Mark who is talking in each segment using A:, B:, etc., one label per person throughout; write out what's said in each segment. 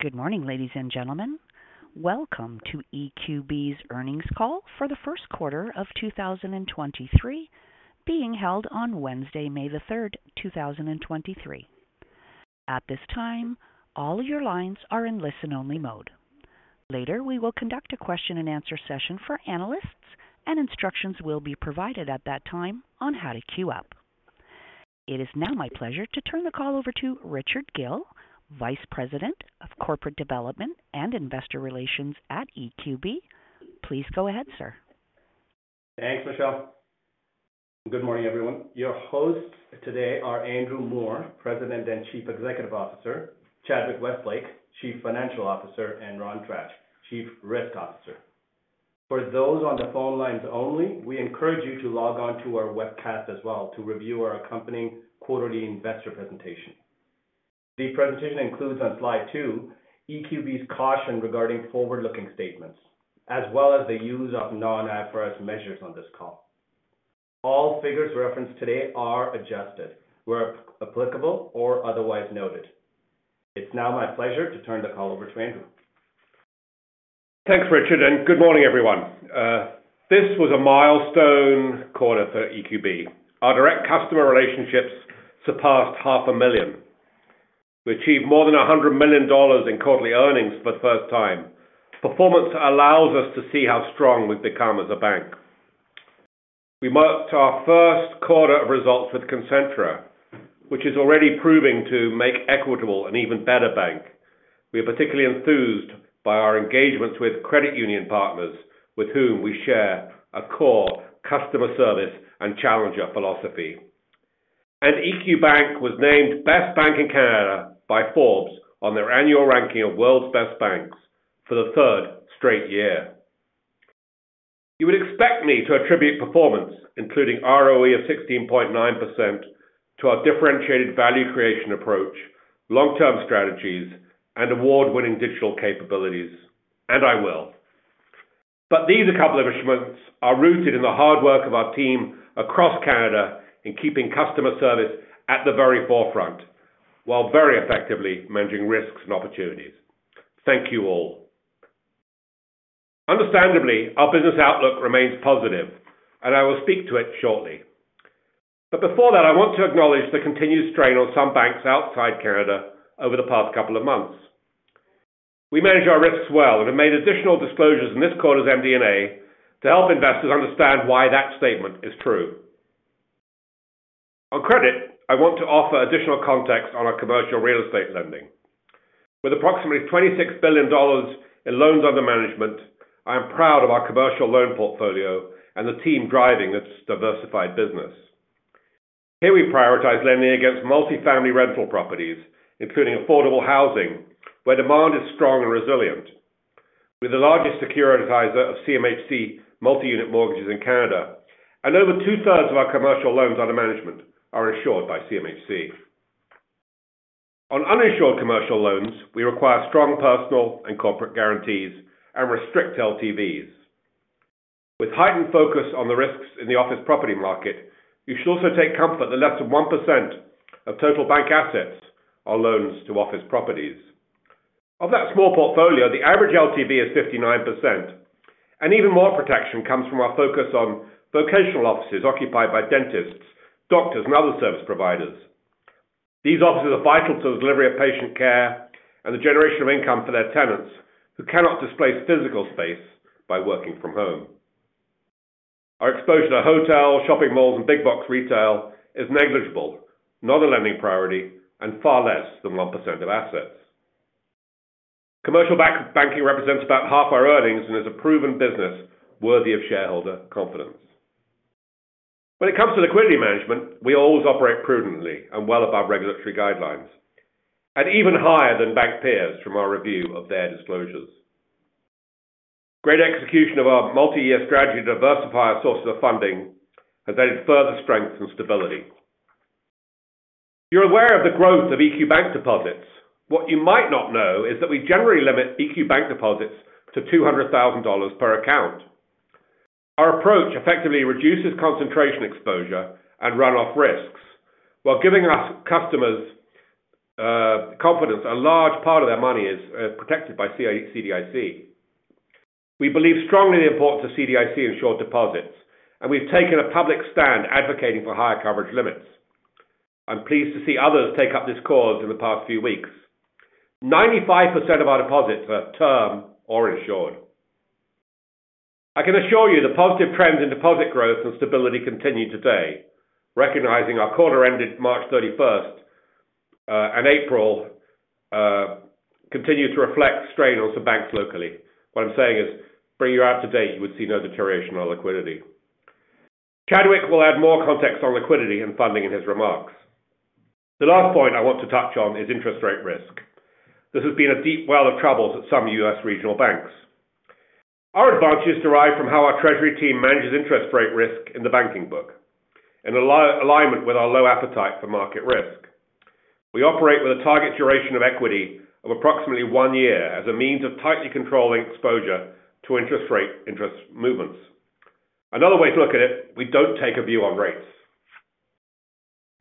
A: Good morning, ladies and gentlemen. Welcome to EQB's earnings call for the first quarter of 2023, being held on Wednesday, May, the third, 2023. At this time, all your lines are in listen-only mode. Later, we will conduct a question-and-answer session for analysts, and instructions will be provided at that time on how to queue up. It is now my pleasure to turn the call over to Richard Gill, Vice President of Corporate Development and Investor Relations at EQB. Please go ahead, sir.
B: Thanks, Michelle. Good morning, everyone. Your hosts today are Andrew Moor, President and Chief Executive Officer, Chadwick Westlake, Chief Financial Officer, and Ron Tratch, Chief Risk Officer. For those on the phone lines only, we encourage you to log on to our webcast as well to review our accompanying quarterly investor presentation. The presentation includes on slide two, EQB's caution regarding forward-looking statements, as well as the use of non-IFRS measures on this call. All figures referenced today are adjusted where applicable or otherwise noted. It's now my pleasure to turn the call over to Andrew.
C: Thanks, Richard. Good morning, everyone. This was a milestone quarter for EQB. Our direct customer relationships surpassed half a million. We achieved more than 100 million dollars in quarterly earnings for the first time. Performance allows us to see how strong we've become as a bank. We marked our first quarter of results with Concentra, which is already proving to make Equitable an even better bank. We are particularly enthused by our engagements with credit union partners with whom we share a core customer service and challenger philosophy. EQ Bank was named Best Bank in Canada by Forbes on their annual ranking of World's Best Banks for the third straight year. You would expect me to attribute performance, including ROE of 16.9% to our differentiated value creation approach, long-term strategies, and award-winning digital capabilities, and I will. These accomplishments are rooted in the hard work of our team across Canada in keeping customer service at the very forefront while very effectively managing risks and opportunities. Thank you all. Understandably, our business outlook remains positive, and I will speak to it shortly. Before that, I want to acknowledge the continued strain on some banks outside Canada over the past couple of months. We manage our risks well and have made additional disclosures in this quarter's MD&A to help investors understand why that statement is true. On credit, I want to offer additional context on our commercial real estate lending. With approximately $26 billion in loans under management, I am proud of our commercial loan portfolio and the team driving this diversified business. Here we prioritize lending against multi-family rental properties, including affordable housing, where demand is strong and resilient. We're the largest securitizer of CMHC multi-unit mortgages in Canada. Over two-thirds of our commercial loans under management are insured by CMHC. On uninsured commercial loans, we require strong personal and corporate guarantees and restrict LTVs. With heightened focus on the risks in the office property market, you should also take comfort that less than 1% of total bank assets are loans to office properties. Of that small portfolio, the average LTV is 59%. Even more protection comes from our focus on vocational offices occupied by dentists, doctors, and other service providers. These offices are vital to the delivery of patient care and the generation of income for their tenants, who cannot displace physical space by working from home. Our exposure to hotels, shopping malls, and big box retail is negligible, not a lending priority, and far less than 1% of assets. Commercial banking represents about half our earnings and is a proven business worthy of shareholder confidence. When it comes to liquidity management, we always operate prudently and well above regulatory guidelines, and even higher than bank peers from our review of their disclosures. Great execution of our multi-year strategy to diversify our sources of funding has added further strength and stability. You're aware of the growth of EQ Bank deposits. What you might not know is that we generally limit EQ Bank deposits to $200,000 per account. Our approach effectively reduces concentration exposure and runoff risks while giving customers confidence a large part of their money is protected by CDIC. We believe strongly in the importance of CDIC-insured deposits, and we've taken a public stand advocating for higher coverage limits. I'm pleased to see others take up this cause in the past few weeks. 95% of our deposits are term or insured. I can assure you the positive trends in deposit growth and stability continue today, recognizing our quarter ended March 31st, and April continued to reflect strain on some banks locally. What I'm saying is, bring you up to date, you would see no deterioration on liquidity. Chadwick will add more context on liquidity and funding in his remarks. The last point I want to touch on is interest rate risk. This has been a deep well of troubles at some U.S. regional banks. Our advantage is derived from how our treasury team manages interest rate risk in the banking book in alignment with our low appetite for market risk. We operate with a target duration of equity of approximately one year as a means of tightly controlling exposure to interest rate interest movements. Another way to look at it, we don't take a view on rates.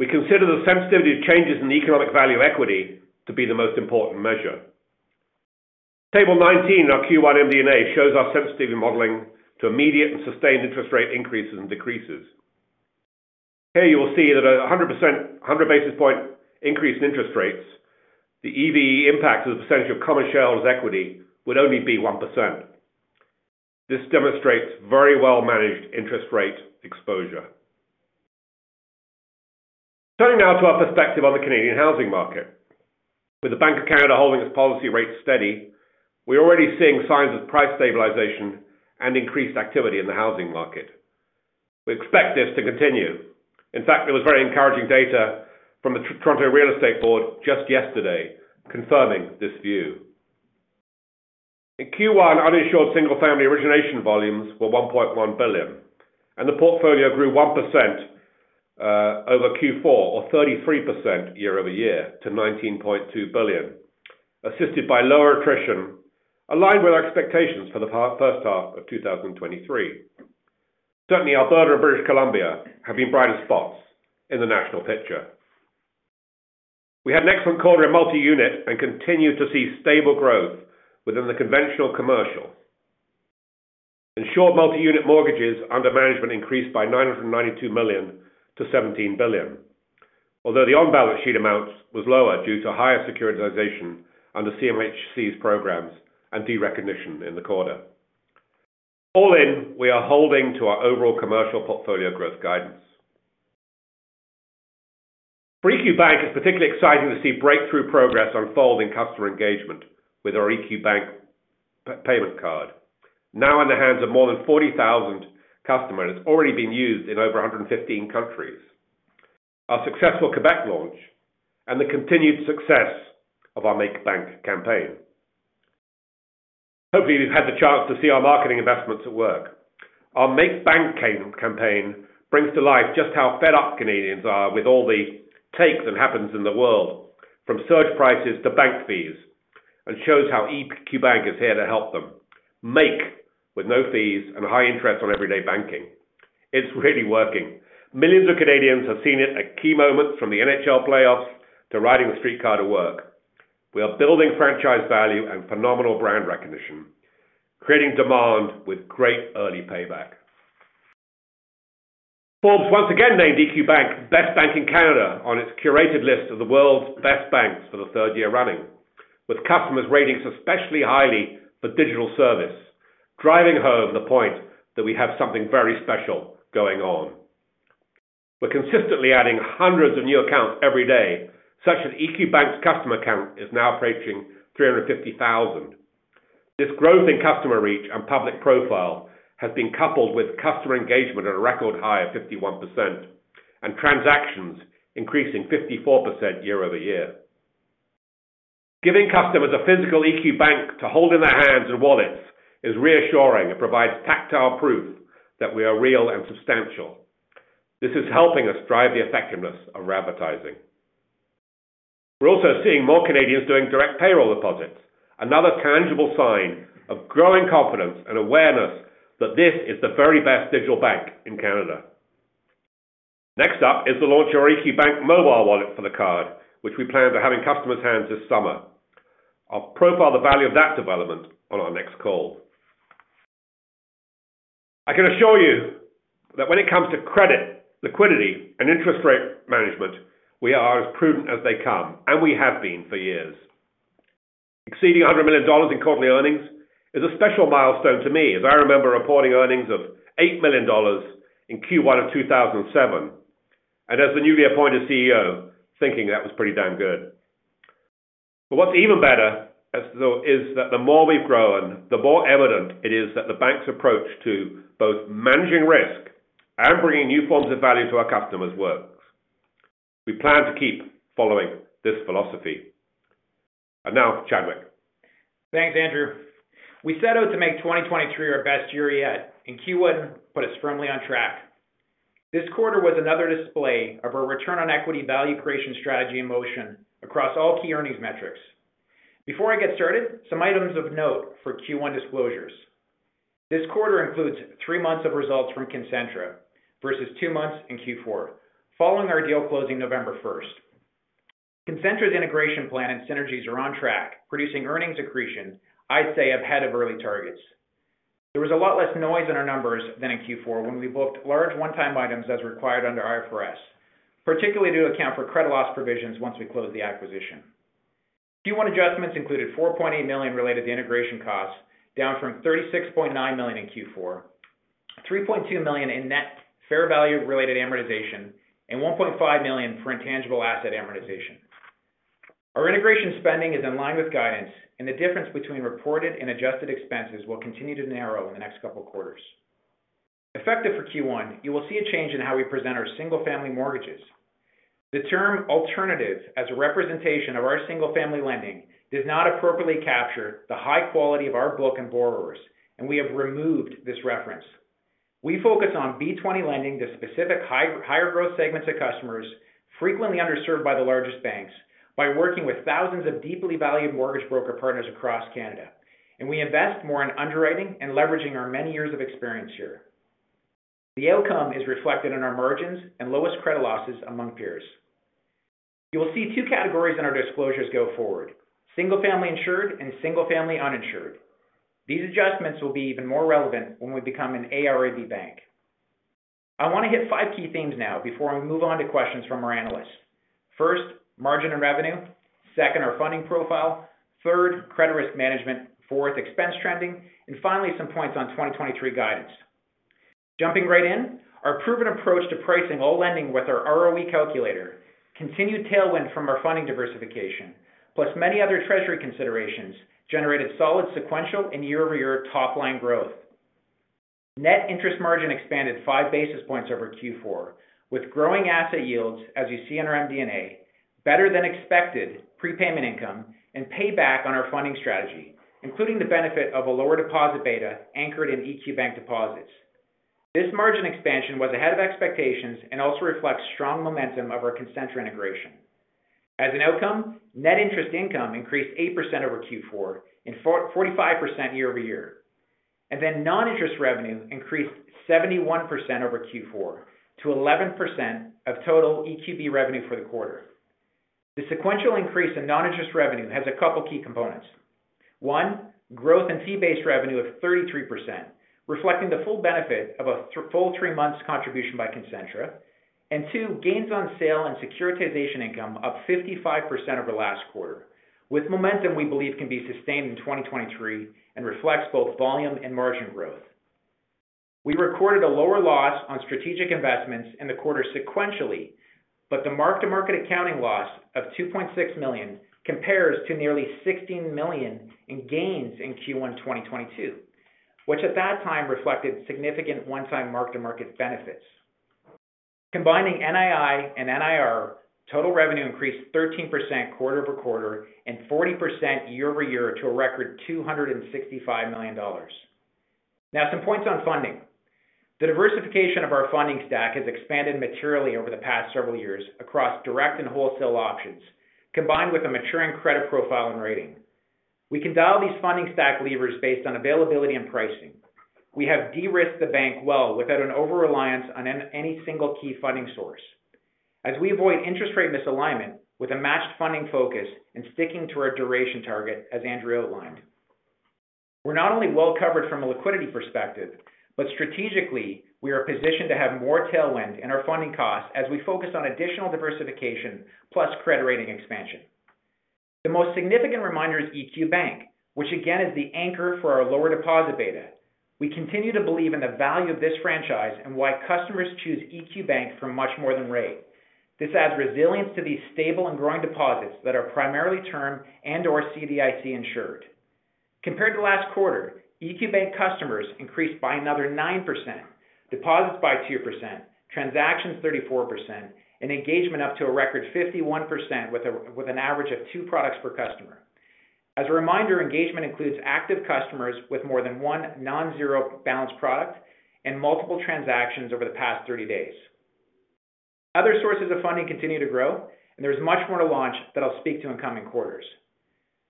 C: We consider the sensitivity of changes in the economic value of equity to be the most important measure. Table 19 in our Q1 MD&A shows our sensitivity modeling to immediate and sustained interest rate increases and decreases. Here you will see that 100 basis point increase in interest rates, the EVE impact as a percentage of common shareholders equity would only be 1%. This demonstrates very well-managed interest rate exposure. Turning now to our perspective on the Canadian housing market. With the Bank of Canada holding its policy rates steady, we are already seeing signs of price stabilization and increased activity in the housing market. We expect this to continue. In fact, there was very encouraging data from the Toronto Regional Real Estate Board just yesterday confirming this view. In Q1, uninsured single-family origination volumes were $1.1 billion, and the portfolio grew 1% over Q4 or 33% year-over-year to $19.2 billion, assisted by lower attrition, aligned with our expectations for the first half of 2023. Certainly, Alberta and British Columbia have been brighter spots in the national picture. We had an excellent quarter in multi-unit and continued to see stable growth within the conventional commercial. Insured multi-unit mortgages under management increased by $992 million to $17 billion. Although the on-balance sheet amounts was lower due to higher securitization under CMHC's programs and derecognition in the quarter. All in, we are holding to our overall commercial portfolio growth guidance. For EQ Bank, it's particularly exciting to see breakthrough progress unfold in customer engagement with our EQ Bank Card now in the hands of more than 40,000 customers. It's already been used in over 115 countries. Our successful Quebec launch and the continued success of our Make Bank campaign. Hopefully, you've had the chance to see our marketing investments at work. Our Make Bank campaign brings to life just how fed up Canadians are with all the takes that happens in the world, from surge prices to bank fees, and shows how EQ Bank is here to help them make with no fees and high interest on everyday banking. It's really working. Millions of Canadians have seen it at key moments from the NHL playoffs to riding the streetcar to work. We are building franchise value and phenomenal brand recognition, creating demand with great early payback. Forbes once again named EQ Bank Best Bank in Canada on its curated list of the world's best banks for the third year running, with customers ratings especially highly for digital service, driving home the point that we have something very special going on. We're consistently adding hundreds of new accounts every day, such that EQ Bank's customer account is now approaching 350,000. This growth in customer reach and public profile has been coupled with customer engagement at a record high of 51% and transactions increasing 54% year-over-year. Giving customers a physical EQ Bank to hold in their hands and wallets is reassuring. It provides tactile proof that we are real and substantial. This is helping us drive the effectiveness of our advertising. We're also seeing more Canadians doing direct payroll deposits, another tangible sign of growing confidence and awareness that this is the very best digital bank in Canada. Next up is to launch our EQ Bank Mobile Wallet for the card, which we plan to have in customers' hands this summer. I'll profile the value of that development on our next call. I can assure you that when it comes to credit, liquidity, and interest rate management, we are as prudent as they come, and we have been for years. Exceeding 100 million dollars in quarterly earnings is a special milestone to me as I remember reporting earnings of 8 million dollars in Q1 of 2007, and as the newly appointed CEO, thinking that was pretty damn good. What's even better is that the more we've grown, the more evident it is that the bank's approach to both managing risk and bringing new forms of value to our customers works. We plan to keep following this philosophy. Now, Chadwick.
D: Thanks, Andrew. We set out to make 2023 our best year yet. Q1 put us firmly on track. This quarter was another display of our return on equity value creation strategy in motion across all key earnings metrics. Before I get started, some items of note for Q1 disclosures. This quarter includes three months of results from Concentra versus two months in Q4 following our deal closing November 1st. Concentra's integration plan and synergies are on track, producing earnings accretion, I'd say ahead of early targets. There was a lot less noise in our numbers than in Q4 when we booked large one-time items as required under IFRS, particularly to account for credit loss provisions once we closed the acquisition. Q1 adjustments included 4.8 million related to integration costs, down from 36 million in Q4, 3.2 million in net fair value related amortization, and 1.5 million for intangible asset amortization. Our integration spending is in line with guidance, the difference between reported and adjusted expenses will continue to narrow in the next couple of quarters. Effective for Q1, you will see a change in how we present our single-family mortgages. The term alternatives as a representation of our single-family lending does not appropriately capture the high quality of our book and borrowers, we have removed this reference. We focus on B20 lending to specific higher growth segments of customers frequently underserved by the largest banks by working with thousands of deeply valued mortgage broker partners across Canada. We invest more in underwriting and leveraging our many years of experience here. The outcome is reflected in our margins and lowest credit losses among peers. You will see two categories in our disclosures go forward: single-family insured and single-family uninsured. These adjustments will be even more relevant when we become an ARB bank. I want to hit five key themes now before I move on to questions from our analysts. First, margin and revenue. Second, our funding profile. Third, credit risk management. Fourth, expense trending. Finally, some points on 2023 guidance. Jumping right in, our proven approach to pricing all lending with our ROE calculator continued tailwind from our funding diversification, plus many other treasury considerations generated solid sequential and year-over-year top-line growth. Net interest margin expanded 5 basis points over Q4 with growing asset yields as you see in our MD&A, better than expected prepayment income and payback on our funding strategy, including the benefit of a lower deposit beta anchored in EQ Bank deposits. This margin expansion was ahead of expectations and also reflects strong momentum of our Concentra integration. As an outcome, net interest income increased 8% over Q4 45% year-over-year. Non-interest revenue increased 71% over Q4 to 11% of total EQB revenue for the quarter. The sequential increase in non-interest revenue has a couple key components. One, growth in fee-based revenue of 33%, reflecting the full benefit of a full three months contribution by Concentra. Two, gains on sale and securitization income up 55% over last quarter with momentum we believe can be sustained in 2023 and reflects both volume and margin growth. We recorded a lower loss on strategic investments in the quarter sequentially, but the mark-to-market accounting loss of 2.6 million compares to nearly 16 million in gains in Q1 2022, which at that time reflected significant one-time mark-to-market benefits. Combining NII and NIR, total revenue increased 13% quarter-over-quarter and 40% year-over-year to a record 265 million dollars. Some points on funding. The diversification of our funding stack has expanded materially over the past several years across direct and wholesale options, combined with a maturing credit profile and rating. We can dial these funding stack levers based on availability and pricing. We have de-risked the bank well without any single key funding source. We avoid interest rate misalignment with a matched funding focus and sticking to our duration target, as Andrea outlined. We're not only well covered from a liquidity perspective, but strategically, we are positioned to have more tailwind in our funding costs as we focus on additional diversification plus credit rating expansion. The most significant reminder is EQ Bank, which again is the anchor for our lower deposit beta. We continue to believe in the value of this franchise and why customers choose EQ Bank for much more than rate. This adds resilience to these stable and growing deposits that are primarily term and or CDIC insured. Compared to last quarter, EQ Bank customers increased by another 9%, deposits by 2%, transactions 34%, and engagement up to a record 51% with an average of 2 products per customer. As a reminder, engagement includes active customers with more than one non-zero balance product and multiple transactions over the past 30 days. There's much more to launch that I'll speak to in coming quarters.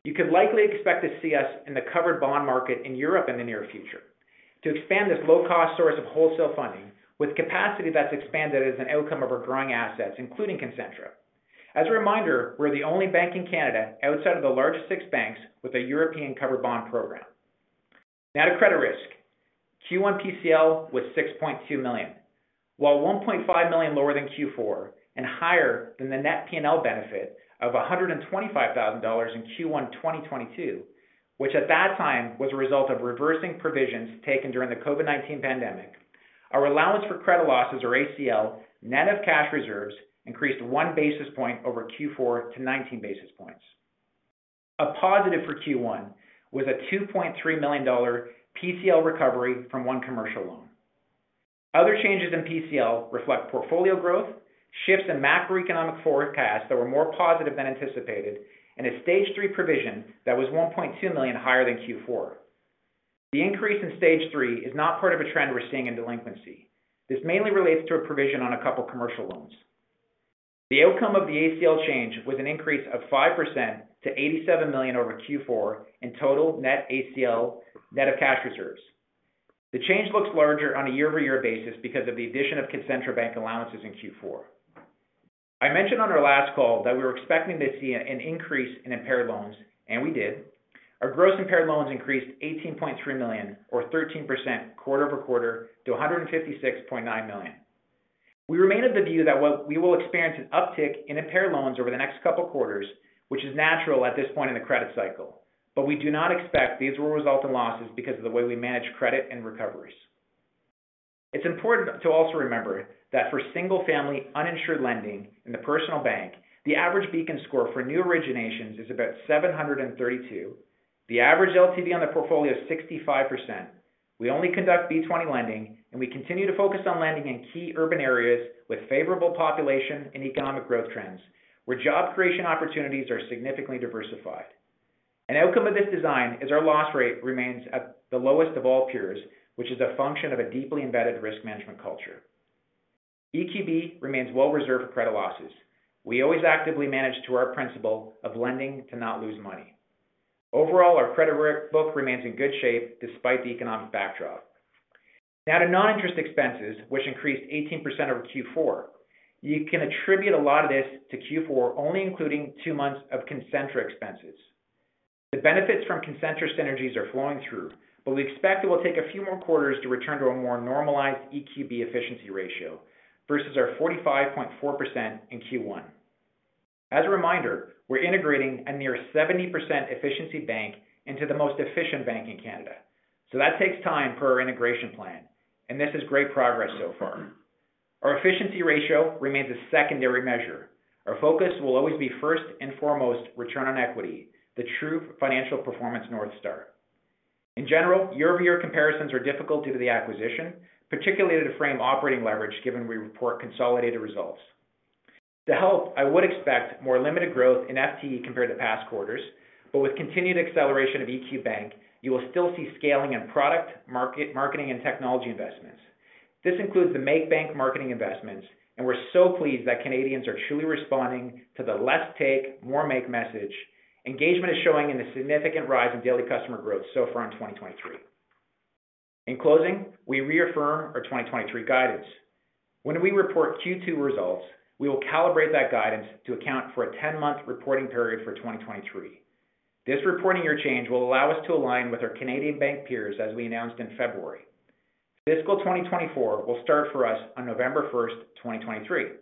D: You could likely expect to see us in the covered bond market in Europe in the near future to expand this low-cost source of wholesale funding with capacity that's expanded as an outcome of our growing assets, including Concentra. As a reminder, we're the only bank in Canada outside of the largest 6 banks with a European covered bond program. To credit risk. Q1 PCL was 6.2 million. 1.5 million lower than Q4 and higher than the net P&L benefit of 125,000 dollars in Q1 2022, which at that time was a result of reversing provisions taken during the COVID-19 pandemic, our allowance for credit losses or ACL, net of cash reserves, increased 1 basis point over Q4 to 19 basis points. A positive for Q1 was a 2.3 million dollar PCL recovery from one commercial loan. Other changes in PCL reflect portfolio growth, shifts in macroeconomic forecasts that were more positive than anticipated, and a Stage 3 provision that was 1.2 million higher than Q4. The increase in Stage 3 is not part of a trend we're seeing in delinquency. This mainly relates to a provision on a couple commercial loans. The outcome of the ACL change was an increase of 5% to 87 million over Q4 in total net ACL net of cash reserves. The change looks larger on a year-over-year basis because of the addition of Concentra Bank allowances in Q4. I mentioned on our last call that we were expecting to see an increase in impaired loans, and we did. Our gross impaired loans increased 18.3 million or 13% quarter-over-quarter to 156.9 million. We remain of the view that we will experience an uptick in impaired loans over the next couple quarters, which is natural at this point in the credit cycle. We do not expect these will result in losses because of the way we manage credit and recoveries. It's important to also remember that for single family uninsured lending in the personal bank, the average Beacon score for new originations is about 732. The average LTV on the portfolio is 65%. We only conduct B20 lending, we continue to focus on lending in key urban areas with favorable population and economic growth trends, where job creation opportunities are significantly diversified. An outcome of this design is our loss rate remains at the lowest of all peers, which is a function of a deeply embedded risk management culture. EQB remains well reserved for credit losses. We always actively manage to our principle of lending to not lose money. Overall, our credit risk book remains in good shape despite the economic backdrop. To non-interest expenses, which increased 18% over Q4. You can attribute a lot of this to Q4 only including 2 months of Concentra expenses. The benefits from Concentra synergies are flowing through, but we expect it will take a few more quarters to return to a more normalized EQB efficiency ratio versus our 45.4% in Q1. As a reminder, we're integrating a near 70% efficiency bank into the most efficient bank in Canada. That takes time per our integration plan, and this is great progress so far. Our efficiency ratio remains a secondary measure. Our focus will always be first and foremost, return on equity, the true financial performance North Star. In general, year-over-year comparisons are difficult due to the acquisition, particularly to frame operating leverage given we report consolidated results. To help, I would expect more limited growth in FTE compared to past quarters, but with continued acceleration of EQ Bank, you will still see scaling in product market, marketing, and technology investments. This includes the Make Bank marketing investments, we're so pleased that Canadians are truly responding to the less take, more make message. Engagement is showing in the significant rise in daily customer growth so far in 2023. In closing, we reaffirm our 2023 guidance. When we report Q2 results, we will calibrate that guidance to account for a 10-month reporting period for 2023. This reporting year change will allow us to align with our Canadian bank peers, as we announced in February. Fiscal 2024 will start for us on November first, 2023.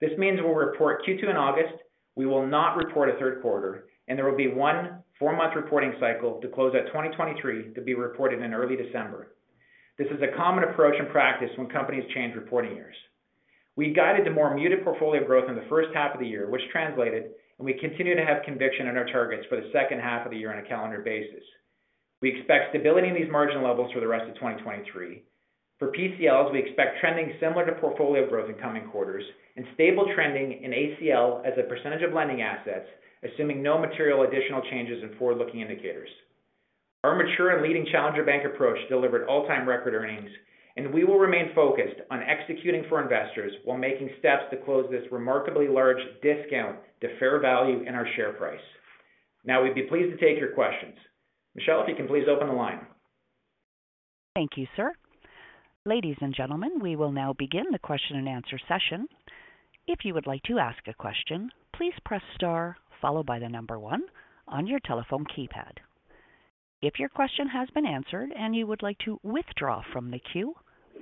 D: This means we'll report Q2 in August, we will not report a third quarter, and there will be 1 four-month reporting cycle to close that 2023 to be reported in early December. This is a common approach in practice when companies change reporting years. We guided the more muted portfolio growth in the first half of the year, which translated, and we continue to have conviction in our targets for the second half of the year on a calendar basis. We expect stability in these margin levels for the rest of 2023. For PCLs, we expect trending similar to portfolio growth in coming quarters and stable trending in ACL as a % of lending assets, assuming no material additional changes in forward-looking indicators. Our mature and leading challenger bank approach delivered all-time record earnings, and we will remain focused on executing for investors while making steps to close this remarkably large discount to fair value in our share price. Now we'd be pleased to take your questions. Michelle, if you can please open the line.
A: Thank you, sir. Ladies and gentlemen, we will now begin the question and answer session. If you would like to ask a question, please press star followed by 1 on your telephone keypad. If your question has been answered and you would like to withdraw from the queue,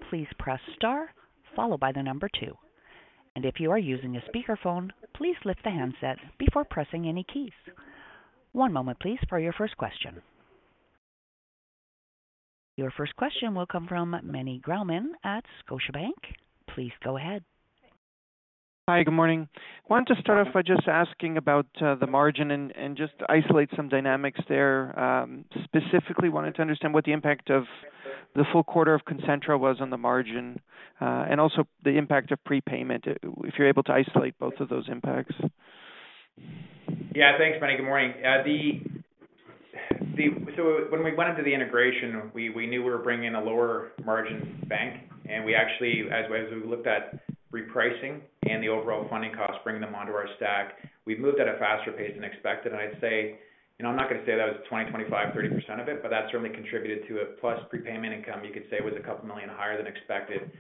A: please press star followed by 2. If you are using a speakerphone, please lift the handset before pressing any keys. One moment please for your first question. Your first question will come from Meny Grauman at Scotiabank. Please go ahead.
E: Hi. Good morning. Wanted to start off by just asking about the margin and just isolate some dynamics there. Specifically wanted to understand what the impact of the full quarter of Concentra was on the margin, and also the impact of prepayment, if you're able to isolate both of those impacts.
D: Yeah. Thanks, Meny. Good morning. When we went into the integration, we knew we were bringing a lower margin bank, and we actually, as we looked at repricing and the overall funding costs, bringing them onto our stack, we've moved at a faster pace than expected. I'd say, you know, I'm not going to say that was 20%, 25%, 30% of it, but that certainly contributed to it. Prepayment income, you could say was 2 million higher than expected.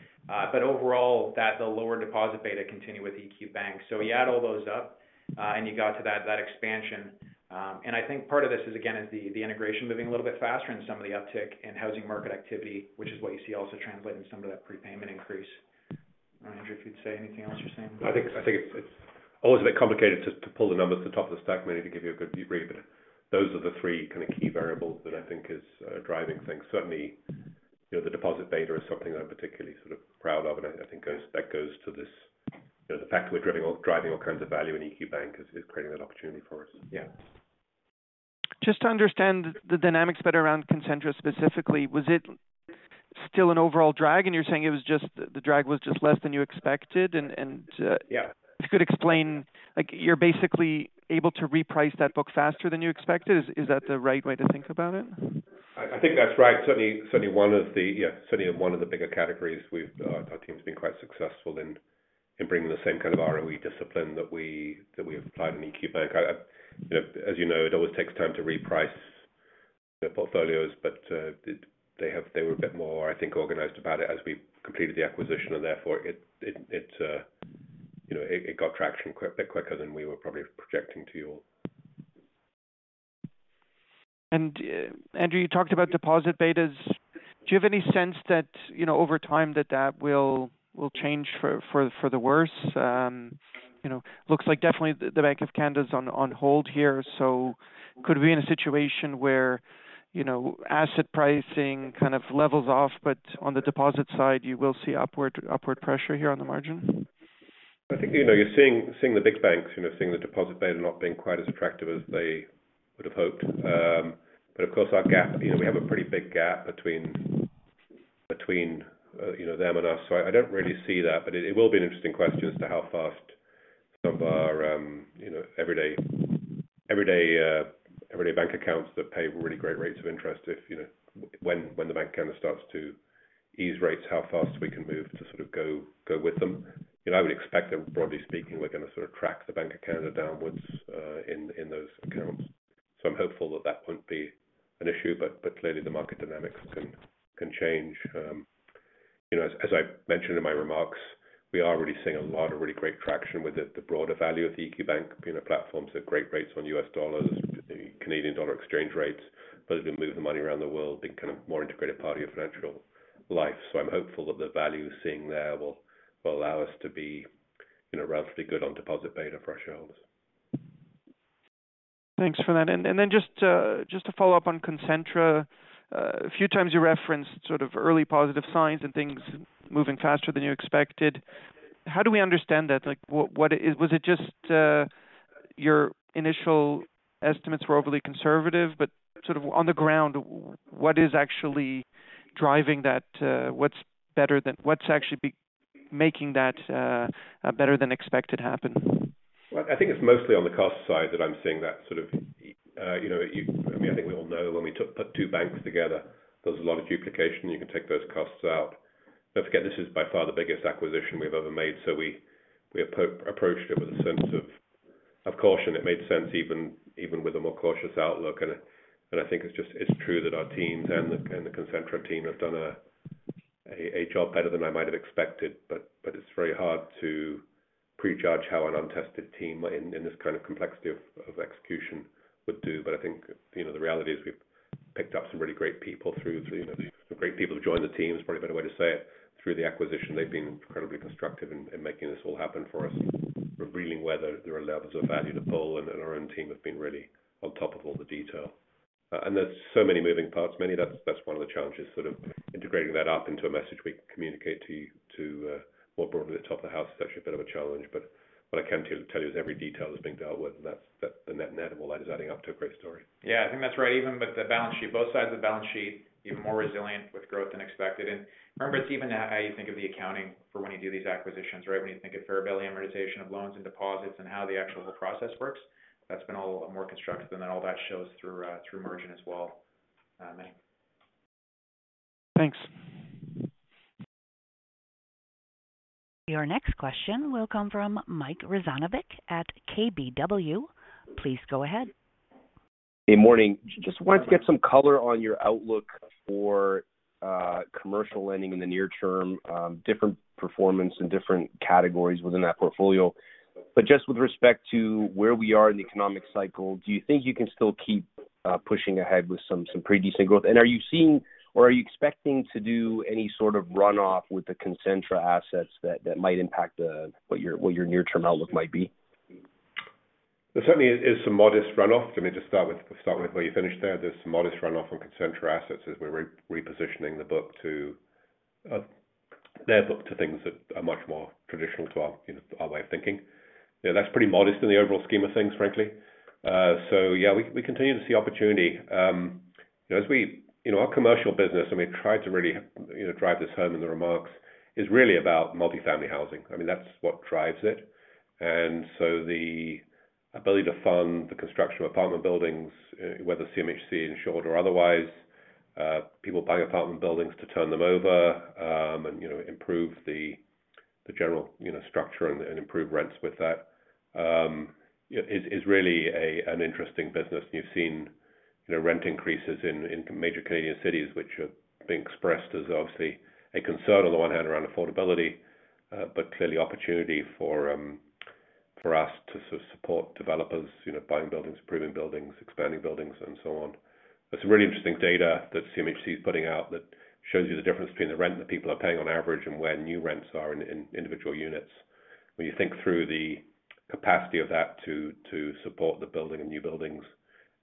D: Overall that the lower deposit beta continued with EQ Bank. You add all those up, and you got to that expansion. I think part of this is again, is the integration moving a little bit faster and some of the uptick in housing market activity, which is what you see also translating some of that prepayment increase. I don't know, Andrew, if you'd say anything else you're seeing.
C: I think it's always a bit complicated to pull the numbers at the top of the stack, Meny, to give you a good debrief, but those are the three kind of key variables that I think is driving things. Certainly, you know, the deposit beta is something that I'm particularly sort of proud of. I think that goes to this, you know, the fact that we're driving all kinds of value in EQ Bank is creating that opportunity for us.
D: Yeah.
E: Just to understand the dynamics better around Concentra specifically, was it still an overall drag? you're saying it was just the drag was just less than you expected and,
D: Yeah.
E: If you could explain, like you're basically able to reprice that book faster than you expected. Is that the right way to think about it?
C: I think that's right. Certainly one of the, yeah, certainly one of the bigger categories we've, our team's been quite successful in bringing the same kind of ROE discipline that we have applied in EQ Bank. I, you know, as you know, it always takes time to reprice the portfolios, but they were a bit more, I think, organized about it as we completed the acquisition, and therefore it, you know, it got traction a bit quicker than we were probably projecting to you all.
E: Andrew, you talked about deposit betas. Do you have any sense that, you know, over time that will change for the worse? you know, looks like definitely the Bank of Canada is on hold here. Could we be in a situation where, you know, asset pricing kind of levels off, but on the deposit side you will see upward pressure here on the margin?
C: I think, you know, you're seeing the big banks, you know, seeing the deposit beta not being quite as attractive as they would have hoped. Of course, our gap, you know, we have a pretty big gap between, you know, them and us, so I don't really see that. It will be an interesting question as to how fast some of our, you know, everyday bank accounts that pay really great rates of interest if, you know, when the Bank of Canada starts to ease rates, how fast we can move to sort of go with them. You know, I would expect that broadly speaking, we're going to sort of track the Bank of Canada downwards, in those accounts. I'm hopeful that that won't be an issue, but clearly the market dynamics can change. You know, as I mentioned in my remarks, we are really seeing a lot of really great traction with the broader value of the EQ Bank, you know, platform. Great rates on US dollars, Canadian dollar exchange rates. Ability to move the money around the world being kind of more integrated part of your financial life. I'm hopeful that the value we're seeing there will allow us to be, you know, relatively good on deposit beta for our shareholders.
E: Thanks for that. Then just to follow up on Concentra. A few times you referenced sort of early positive signs and things moving faster than you expected. How do we understand that? Like, what is, was it just your initial estimates were overly conservative, but sort of on the ground, what is actually driving that? What's actually making that better than expected happen?
C: I think it's mostly on the cost side that I'm seeing that sort of, you know, I mean, I think we all know when we put two banks together, there's a lot of duplication. You can take those costs out. Don't forget this is by far the biggest acquisition we've ever made. We approached it with a sense of caution. It made sense even with a more cautious outlook. I think it's just, it's true that our teams and the Concentra team have done a job better than I might have expected. It's very hard to prejudge how an untested team in this kind of complexity of execution would do. I think, you know, the reality is we've picked up some really great people through, you know, some great people who joined the team, is probably a better way to say it, through the acquisition. They've been incredibly constructive in making this all happen for us. Revealing where there are levels of value to pull, and then our own team have been really on top of all the detail. And there's so many moving parts. Meny, that's one of the challenges, sort of integrating that up into a message we can communicate to, more broadly at the top of the house is actually a bit of a challenge. What I can tell you is every detail is being dealt with and that's the net of all that is adding up to a great story.
D: Yeah, I think that's right. Even with the balance sheet, both sides of the balance sheet, even more resilient with growth than expected. Remember, it's even how you think of the accounting for when you do these acquisitions, right? When you think of fair value, amortization of loans and deposits and how the actual process works, that's been all more constructive than that all that shows through through margin as well. Manny.
E: Thanks.
A: Your next question will come from Mike Rizvanovic at KBW. Please go ahead.
F: Hey, morning. Just wanted to get some color on your outlook for commercial lending in the near term, different performance in different categories within that portfolio. Just with respect to where we are in the economic cycle, do you think you can still keep pushing ahead with some pretty decent growth? Are you seeing or are you expecting to do any sort of runoff with the Concentra assets that might impact what your near-term outlook might be?
C: There certainly is some modest runoff. I mean, just start with where you finished there. There's some modest runoff on Concentra assets as we're re-repositioning the book to, their book to things that are much more traditional to our, you know, our way of thinking. You know, that's pretty modest in the overall scheme of things, frankly. Yeah, we continue to see opportunity. You know, as we. You know, our commercial business, and we tried to really, you know, drive this home in the remarks, is really about multifamily housing. I mean, that's what drives it. The ability to fund the construction of apartment buildings, whether CMHC insured or otherwise, people buying apartment buildings to turn them over, and, you know, improve the general, you know, structure and improve rents with that, is really an interesting business. You've seen, you know, rent increases in major Canadian cities, which are being expressed as obviously a concern on the one hand around affordability, but clearly opportunity for us to sort of support developers, you know, buying buildings, improving buildings, expanding buildings and so on. There's some really interesting data that CMHC is putting out that shows you the difference between the rent that people are paying on average and where new rents are in individual units. When you think through the capacity of that to support the building of new buildings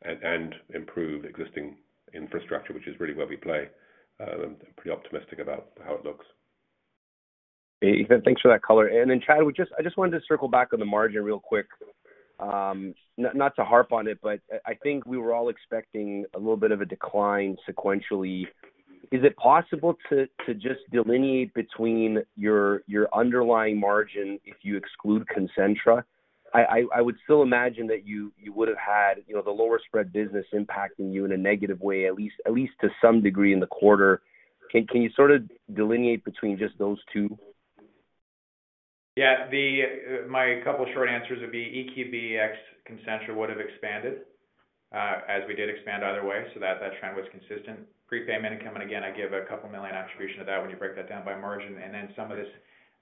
C: and improve existing infrastructure, which is really where we play, I'm pretty optimistic about how it looks.
F: Yeah, Andrew, thanks for that color. Chad, I just wanted to circle back on the margin real quick. Not to harp on it, but I think we were all expecting a little bit of a decline sequentially. Is it possible to just delineate between your underlying margin if you exclude Concentra? I would still imagine that you would have had, you know, the lower spread business impacting you in a negative way, at least to some degree in the quarter. Can you sort of delineate between just those two?
D: Yeah. The my couple short answers would be EQBX Concentra would have expanded, as we did expand either way. That trend was consistent. Prepayment income, and again, I give 2 million attribution to that when you break that down by margin. Some of this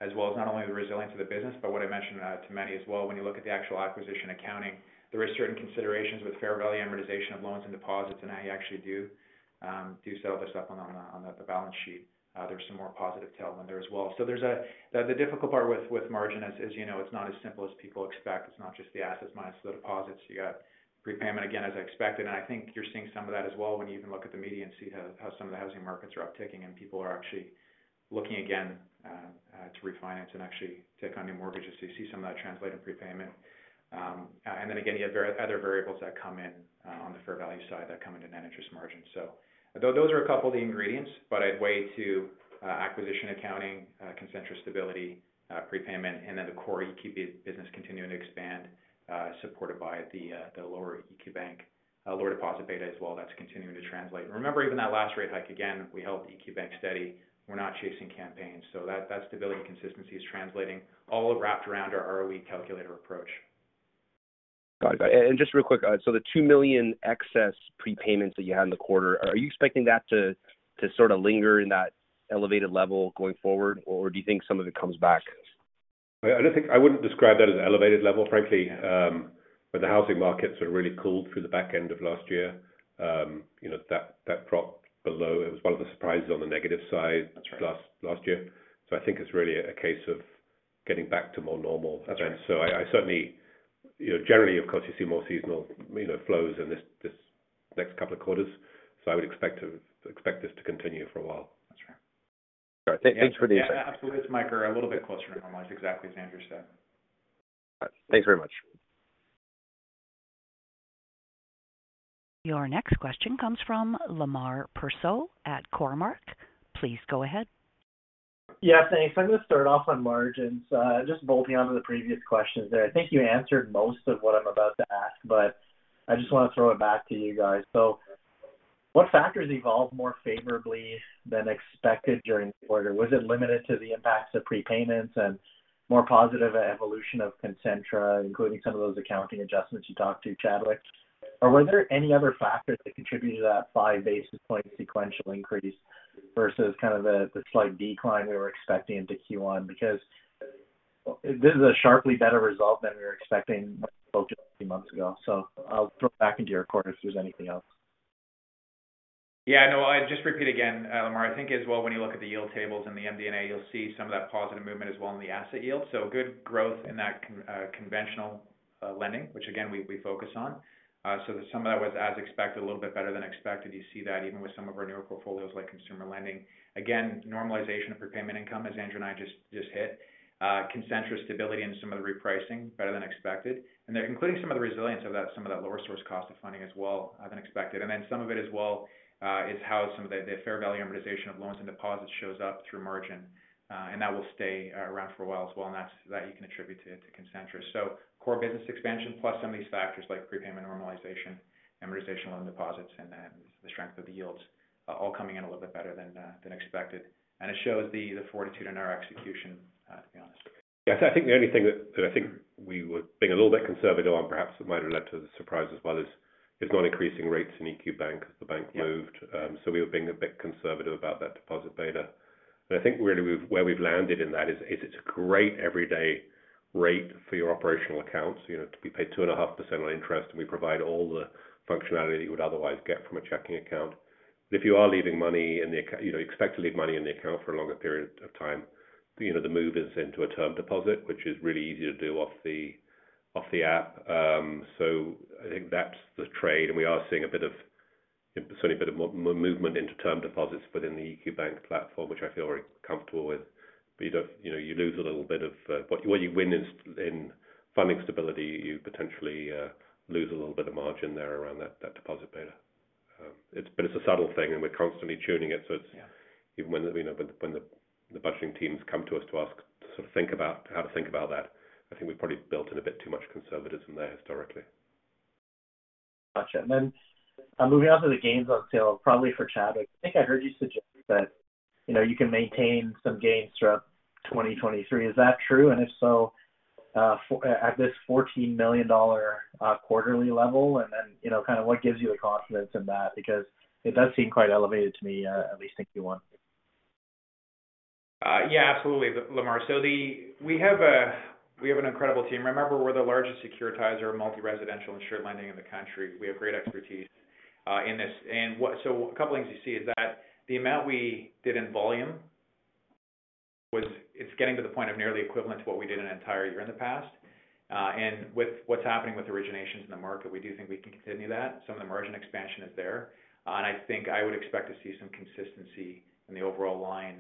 D: as well is not only the resilience of the business, but what I mentioned to Manny as well, when you look at the actual acquisition accounting, there is certain considerations with fair value amortization of loans and deposits, and how you actually do some of the stuff on the balance sheet. There's some more positive tailwind there as well. There's the difficult part with margin, as you know, it's not as simple as people expect. It's not just the assets minus the deposits. You got prepayment, again, as expected. I think you're seeing some of that as well when you even look at the media and see how some of the housing markets are upticking and people are actually looking again to refinance and actually take on new mortgages. You see some of that translate in prepayment. Then again, you have other variables that come in on the fair value side that come into net interest margin. Those are a couple of the ingredients, but I'd weigh to acquisition accounting, Concentra stability, prepayment, and then the core EQ business continuing to expand, supported by the lower EQ Bank, lower deposit beta as well. That's continuing to translate. Remember even that last rate hike, again, we held EQ Bank steady. We're not chasing campaigns. That stability and consistency is translating all wrapped around our ROE calculator approach.
F: Got it. Got it. Just real quick, the 2 million excess prepayments that you had in the quarter, are you expecting that to sort of linger in that elevated level going forward? Or do you think some of it comes back?
C: I wouldn't describe that as an elevated level, frankly, but the housing markets are really cooled through the back end of last year. You know, that dropped below. It was one of the surprises on the negative side.
D: That's right.
C: last year. I think it's really a case of getting back to more normal. That's right. I certainly, you know, generally, of course, you see more seasonal, you know, flows in this next couple of quarters. I would expect this to continue for a while.
D: That's right.
F: All right. Thanks for the insight.
D: Yeah, absolutely. It's micro, a little bit closer to normal. It's exactly as Andrew said.
F: All right. Thanks very much.
A: Your next question comes from Lemar Persaud at Cormark. Please go ahead.
G: Yeah, thanks. I'm gonna start off on margins. Just bolting on to the previous questions there. I think you answered most of what I'm about to ask, but I just wanna throw it back to you guys. What factors evolved more favorably than expected during the quarter? Was it limited to the impacts of prepayments and more positive evolution of Concentra, including some of those accounting adjustments you talked to, Chad, like? Were there any other factors that contributed to that 5 basis point sequential increase versus kind of the slight decline we were expecting into Q1? This is a sharply better result than we were expecting a few months ago. I'll throw it back into your court if there's anything else.
D: Yeah, no. I just repeat again, Lemar, I think as well, when you look at the yield tables in the MD&A, you'll see some of that positive movement as well in the asset yield. Good growth in that conventional lending, which again, we focus on. Some of that was as expected, a little bit better than expected. You see that even with some of our newer portfolios like consumer lending. Again, normalization of prepayment income, as Andrew and I just hit. Concentra stability and some of the repricing better than expected. They're including some of the resilience of that some of that lower source cost of funding as well than expected. Then some of it as well, is how some of the fair value amortization of loans and deposits shows up through margin, and that will stay around for a while as well. That you can attribute to Concentra. Core business expansion plus some of these factors like prepayment normalization, amortization loan deposits, and then the strength of the yields, all coming in a little bit better than expected. It shows the fortitude in our execution, to be honest.
C: I think the only thing that I think we were being a little bit conservative on perhaps that might have led to the surprise as well is not increasing rates in EQ Bank as the bank moved.
D: Yeah.
C: We were being a bit conservative about that deposit beta. I think really where we've landed in that is, it's a great everyday rate for your operational accounts, you know, to be paid 2.5% on interest, and we provide all the functionality that you would otherwise get from a checking account. If you are leaving money in the account, you know, expect to leave money in the account for a longer period of time, you know, the move is into a term deposit, which is really easy to do off the, off the app. I think that's the trade. We are seeing certainly a bit of movement into term deposits within the EQ Bank platform, which I feel very comfortable with. You don't, you know, you lose a little bit of. What you win is in funding stability, you potentially lose a little bit of margin there around that deposit beta. It's a subtle thing, and we're constantly tuning it.
D: Yeah.
C: Even when, you know, when the budgeting teams come to us to ask to sort of think about how to think about that, I think we probably built in a bit too much conservatism there historically.
G: Gotcha. Then, moving on to the gains on sale, probably for Chad. I think I heard you suggest that, you know, you can maintain some gains throughout 2023. Is that true? If so, at this 14 million dollar quarterly level, and then, you know, kind of what gives you the confidence in that? It does seem quite elevated to me, at least in Q1.
D: Yeah, absolutely, Lemar. We have an incredible team. Remember, we're the largest securitizer of multi-residential and insured lending in the country. We have great expertise in this. A couple of things you see is that the amount we did in volume was getting to the point of nearly equivalent to what we did an entire year in the past. With what's happening with originations in the market, we do think we can continue that. Some of the margin expansion is there. I think I would expect to see some consistency in the overall line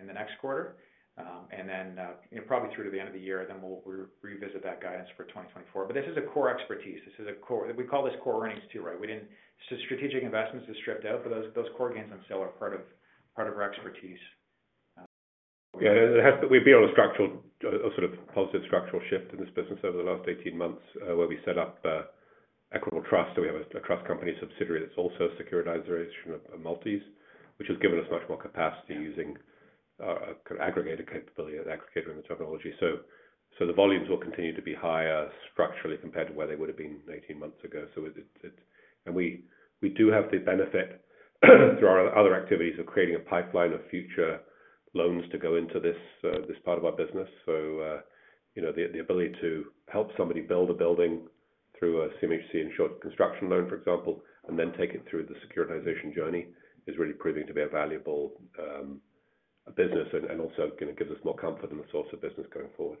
D: in the next quarter. You know, probably through to the end of the year, then we'll revisit that guidance for 2024. This is a core expertise. We call this core earnings too, right? We didn't. Strategic investments is stripped out, but those core gains on sale are part of our expertise.
C: Yeah, it has we've been on a structural, a sort of positive structural shift in this business over the last 18 months, where we set up Equitable Trust. We have a trust company subsidiary that's also a securitizer of multis, which has given us much more capacity using a kind of aggregator capability, an aggregator in the technology. The volumes will continue to be higher structurally compared to where they would've been 18 months ago. We, we do have the benefit through our other activities of creating a pipeline of future loans to go into this part of our business. You know, the ability to help somebody build a building through a CMHC-insured construction loan, for example, and then take it through the securitization journey is really proving to be a valuable business and also gonna give us more comfort in the source of business going forward.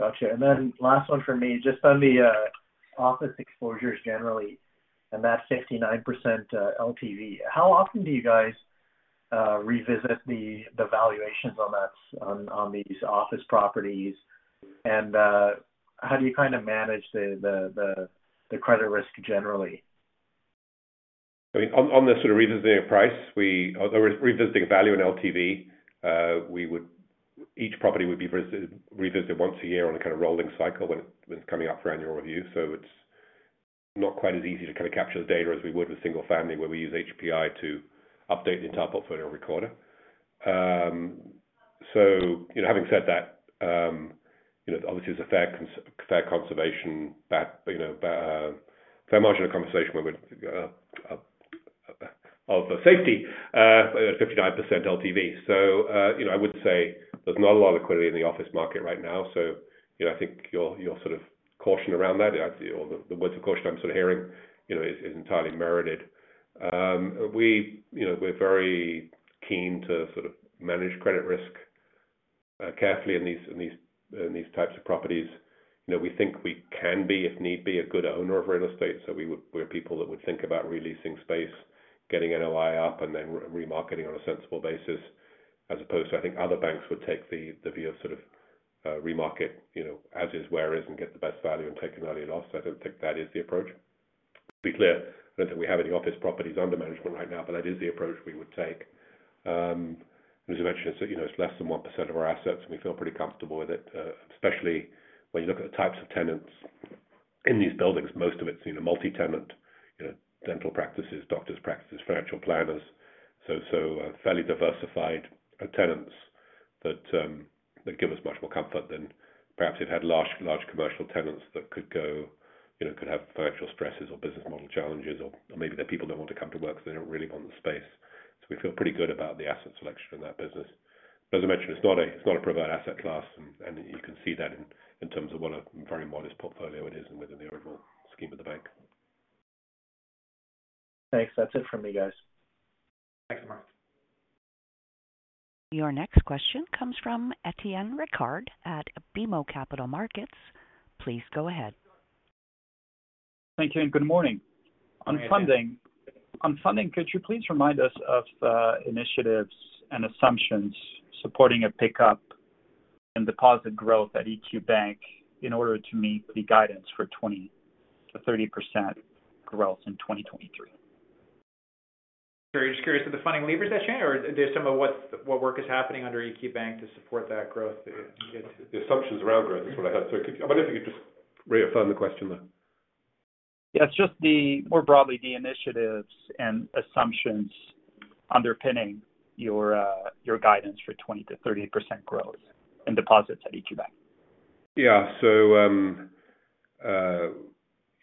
G: Gotcha. Last one for me. Just on the office exposures generally, and that's 59% LTV. How often do you guys revisit the valuations on that, on these office properties? How do you kind of manage the credit risk generally?
C: I mean, on the sort of revisiting price, or revisiting value in LTV, each property would be visited, revisited once a year on a kind of rolling cycle when it's coming up for annual review. It's not quite as easy to kind of capture the data as we would with single family, where we use HPI to update the entire portfolio recorder. You know, having said that, you know, obviously there's a fair conservation, you know, fair margin of conversation of safety at 59% LTV. You know, I would say there's not a lot of liquidity in the office market right now, so, you know, I think your sort of caution around that, or the words of caution I'm sort of hearing, you know, is entirely merited. We, you know, we're very keen to sort of manage credit risk, carefully in these types of properties. You know, we think we can be, if need be, a good owner of real estate. We're people that would think about re-leasing space, getting NOI up, and then re-marketing on a sensible basis, as opposed to, I think other banks would take the view of sort of, re-market, you know, as is, where is, and get the best value and take an early loss. I don't think that is the approach. To be clear, I don't think we have any office properties under management right now, but that is the approach we would take. As you mentioned, you know, it's less than 1% of our assets, and we feel pretty comfortable with it, especially when you look at the types of tenants in these buildings, most of it's, you know, multi-tenant, you know, dental practices, doctors practices, financial planners. Fairly diversified tenants that give us much more comfort than perhaps if we had large commercial tenants that could go, you know, could have financial stresses or business model challenges or maybe their people don't want to come to work, so they don't really want the space. We feel pretty good about the asset selection in that business. As I mentioned, it's not a prevalent asset class, and you can see that in terms of what a very modest portfolio it is and within the original scheme of the bank.
G: Thanks. That's it from me, guys.
C: Thanks, Lemar.
A: Your next question comes from Etienne Ricard at BMO Capital Markets. Please go ahead.
H: Thank you, and good morning.
C: Good morning, Etienne.
H: On funding, could you please remind us of initiatives and assumptions supporting a pickup in deposit growth at EQ Bank in order to meet the guidance for 20%-30% growth in 2023? Sure. You're just curious of the funding levers that change or there's some of what work is happening under EQ Bank to support that growth?
C: The assumptions around growth is what I had. I wonder if you could just reaffirm the question there.
H: Yeah. It's just the, more broadly, the initiatives and assumptions underpinning your guidance for 20% to 30% growth in deposits at EQ Bank.
C: Yeah. You know,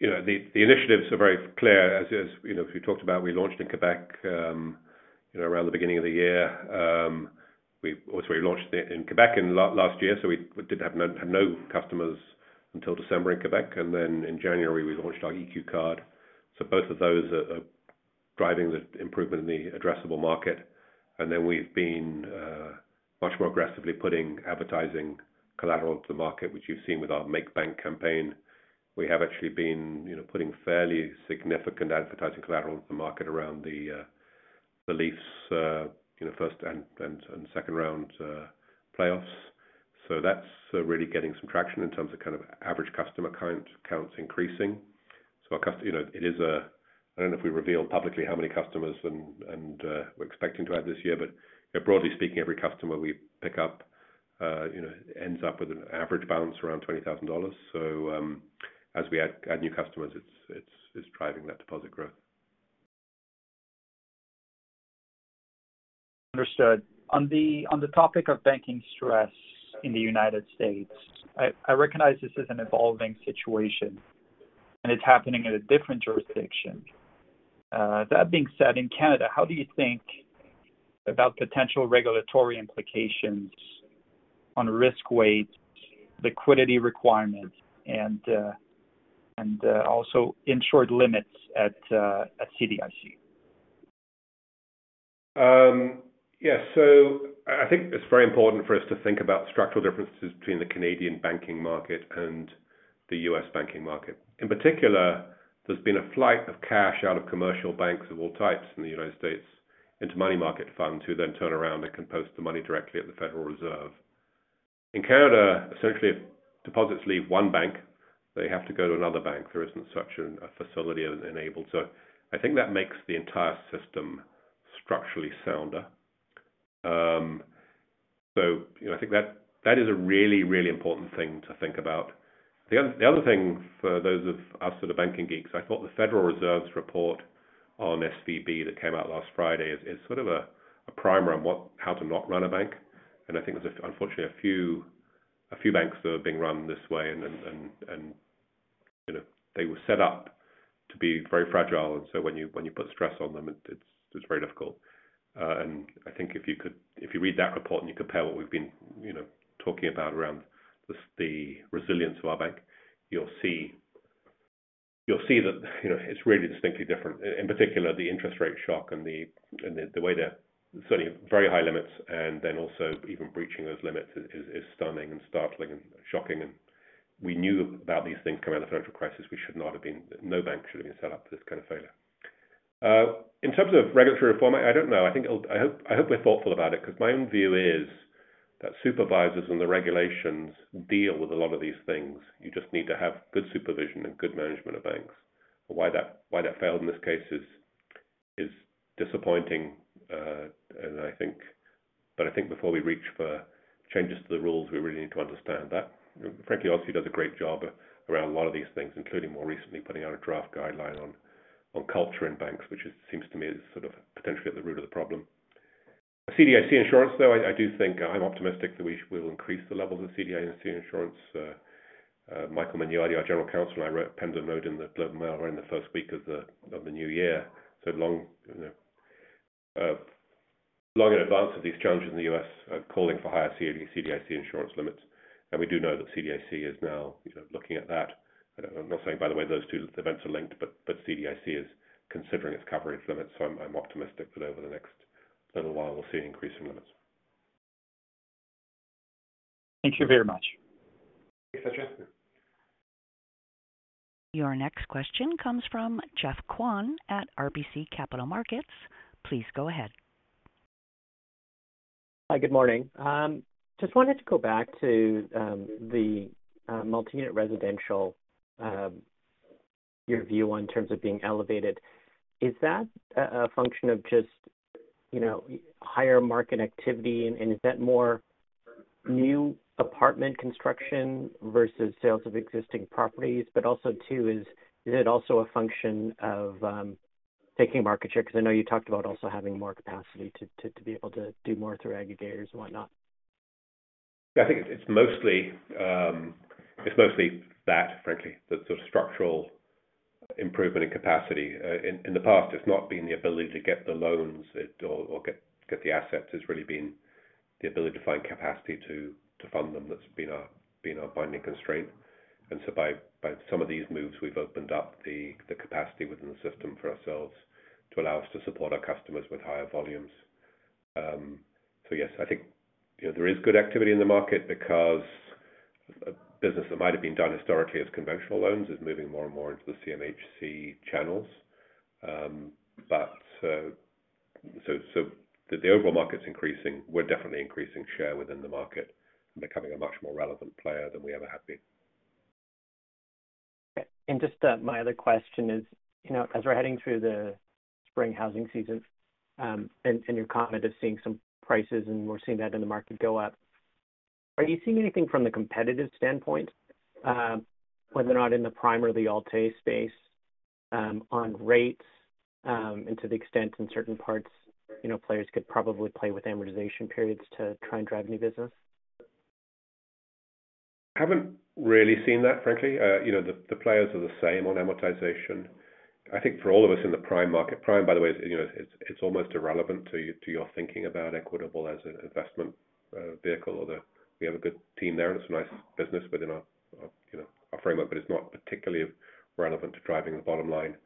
C: the initiatives are very clear. As you know, we talked about we launched in Quebec, you know, around the beginning of the year. We also launched it in Quebec last year, so we did have no customers until December in Quebec. In January, we launched our EQ Card. Both of those are driving the improvement in the addressable market. We've been much more aggressively putting advertising collateral to market, which you've seen with our Make Bank campaign. We have actually been, you know, putting fairly significant advertising collateral to market around the Leafs', you know, first and second round playoffs. That's really getting some traction in terms of kind of average customer count increasing. You know, I don't know if we reveal publicly how many customers and, we're expecting to add this year. Broadly speaking, every customer we pick up, you know, ends up with an average balance around 20,000 dollars. As we add new customers, it's driving that deposit growth.
H: Understood. On the topic of banking stress in the United States, I recognize this is an evolving situation, and it's happening in a different jurisdiction. That being said, in Canada, how do you think about potential regulatory implications on risk weight, liquidity requirements and also insured limits at CDIC?
C: Yeah. I think it's very important for us to think about structural differences between the Canadian banking market and the U.S. banking market. In particular, there's been a flight of cash out of commercial banks of all types in the United States into money market funds, who then turn around and can post the money directly at the Federal Reserve. In Canada, essentially, if deposits leave one bank, they have to go to another bank. There isn't such a facility enabled. I think that makes the entire system structurally sounder. You know, I think that is a really important thing to think about. The other thing for those of us that are banking geeks, I thought the Federal Reserve's report on SVB that came out last Friday is sort of a primer on how to not run a bank. I think there's unfortunately a few banks that are being run this way and, you know, they were set up to be very fragile. When you put stress on them, it's very difficult. I think if you read that report and you compare what we've been, you know, talking about around the resilience of our bank, you'll see that, you know, it's really distinctly different. In particular, the interest rate shock and the way they're certainly very high limits and then also even breaching those limits is stunning and startling and shocking. We knew about these things coming out of the financial crisis. We should not have been. No bank should have been set up for this kind of failure. In terms of regulatory reform, I don't know. I think it'll. I hope we're thoughtful about it, because my own view is that supervisors and the regulations deal with a lot of these things. You just need to have good supervision and good management of banks. Why that failed in this case is disappointing, and I think. Before we reach for changes to the rules, we really need to understand that. Frankly, OSFI does a great job around a lot of these things, including more recently putting out a draft guideline on culture in banks, which it seems to me is sort of potentially at the root of the problem. CDIC insurance, though, I do think I'm optimistic that we will increase the levels of CDIC insurance. Michael Mignardi, our general counsel, and I wrote pen to mode in The Globe and Mail right in the first week of the new year. Long, you know, long in advance of these challenges in the U.S., calling for higher CDIC insurance limits. We do know that CDIC is now, you know, looking at that. I'm not saying, by the way, those two events are linked, but CDIC is considering its coverage limits, so I'm optimistic that over the next little while we'll see an increase in limits.
H: Thank you very much.
C: Thanks, Etienne.
A: Your next question comes from Geoffrey Kwan at RBC Capital Markets. Please go ahead.
I: Hi, good morning. Just wanted to go back to the multi-unit residential, your view in terms of being elevated. Is that a function of just, you know, higher market activity? Is that more new apartment construction versus sales of existing properties? Also too, is it also a function of taking market share? Because I know you talked about also having more capacity to be able to do more through aggregators and whatnot.
C: I think it's mostly, it's mostly that, frankly, the sort of structural improvement in capacity. In the past, it's not been the ability to get the loans or get the assets. It's really been the ability to find capacity to fund them that's been our binding constraint. By some of these moves, we've opened up the capacity within the system for ourselves to allow us to support our customers with higher volumes. Yes, I think, you know, there is good activity in the market because business that might have been done historically as conventional loans is moving more and more into the CMHC channels. The overall market's increasing. We're definitely increasing share within the market and becoming a much more relevant player than we ever have been.
I: Just, my other question is, you know, as we're heading through the spring housing season, and your comment of seeing some prices and we're seeing that in the market go up. Are you seeing anything from the competitive standpoint, whether or not in the prime or the alt-A space, on rates, and to the extent in certain parts, you know, players could probably play with amortization periods to try and drive new business?
C: Haven't really seen that, frankly. you know, the players are the same on amortization. I think for all of us in the prime market. Prime, by the way, is, you know, it's almost irrelevant to your thinking about Equitable as an investment vehicle. We have a good team there, and it's a nice business within our, you know, our framework, but it's not particularly relevant to driving the bottom line.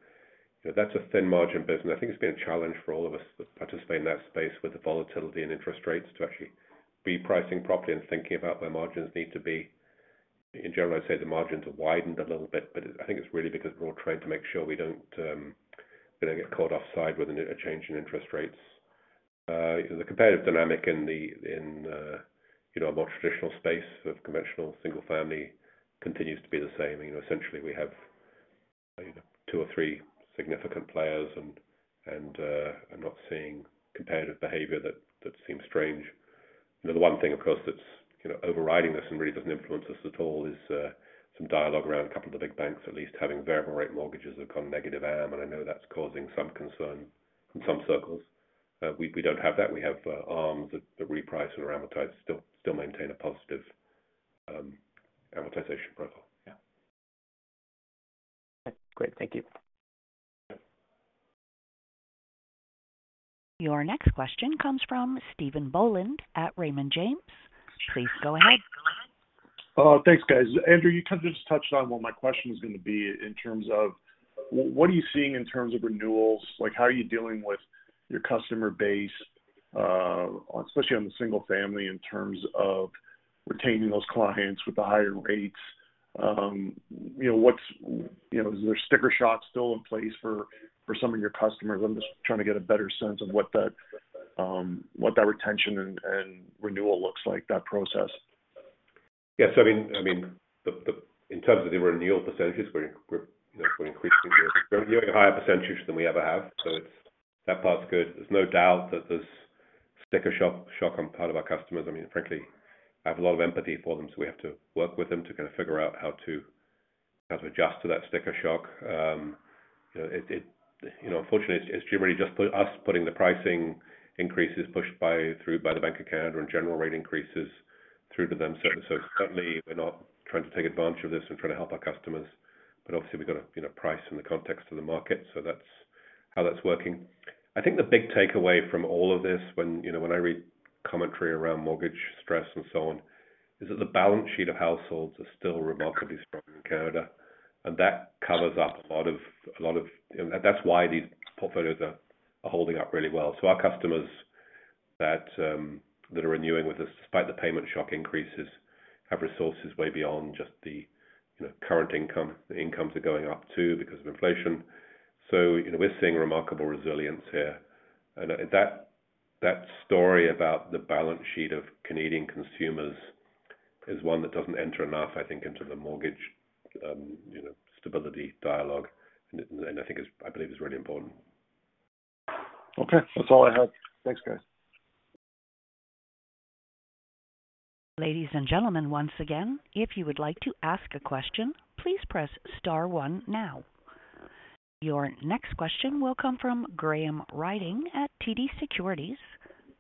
C: You know, that's a thin margin business. I think it's been a challenge for all of us that participate in that space with the volatility in interest rates to actually be pricing properly and thinking about where margins need to be. In general, I'd say the margins have widened a little bit, but I think it's really because we're all trying to make sure we don't, we don't get caught offside with a change in interest rates. The competitive dynamic in the, you know, a more traditional space of conventional single-family continues to be the same. You know, essentially, we have two or three significant players and I'm not seeing competitive behavior that seems strange. You know, the one thing, of course, that's, you know, overriding this and really doesn't influence us at all is some dialogue around a couple of the big banks at least having variable rate mortgages that come negative AM, and I know that's causing some concern in some circles. We don't have that. We have, arms that reprice and are amortized, still maintain a positive, amortization profile. Yeah.
I: Great. Thank you.
C: Yeah.
A: Your next question comes from Stephen Boland at Raymond James. Please go ahead.
J: Thanks, guys. Andrew, you kind of just touched on what my question was gonna be in terms of what are you seeing in terms of renewals? Like, how are you dealing with your customer base, especially on the single-family, in terms of retaining those clients with the higher rates? You know, what's, you know, is there sticker shock still in place for some of your customers? I'm just trying to get a better sense of what that, what that retention and renewal looks like, that process.
C: Yes. I mean, the in terms of the renewal percentages, we're, you know, we're giving higher percentages than we ever have. That part's good. There's no doubt that there's sticker shock on part of our customers. I mean, frankly, I have a lot of empathy for them, so we have to work with them to kind of figure out how to, how to adjust to that sticker shock. You know, it, you know, unfortunately, it's generally just us putting the pricing increases through by the Bank of Canada and general rate increases through to them. Certainly we're not trying to take advantage of this. We're trying to help our customers. Obviously, we've got to, you know, price in the context of the market. That's how that's working. I think the big takeaway from all of this when, you know, when I read commentary around mortgage stress and so on, is that the balance sheet of households are still remarkably strong in Canada. That covers up a lot of, you know... That's why these portfolios are holding up really well. Our customersThat, that are renewing with us despite the payment shock increases have resources way beyond just the, you know, current income. The incomes are going up too because of inflation. You know, we're seeing remarkable resilience here. That, that story about the balance sheet of Canadian consumers is one that doesn't enter enough, I think, into the mortgage, you know, stability dialogue. I think it's, I believe, is really important.
J: Okay. That's all I have. Thanks, guys.
A: Ladies and gentlemen, once again, if you would like to ask a question, please press star one now. Your next question will come from Graham Ryding at TD Securities.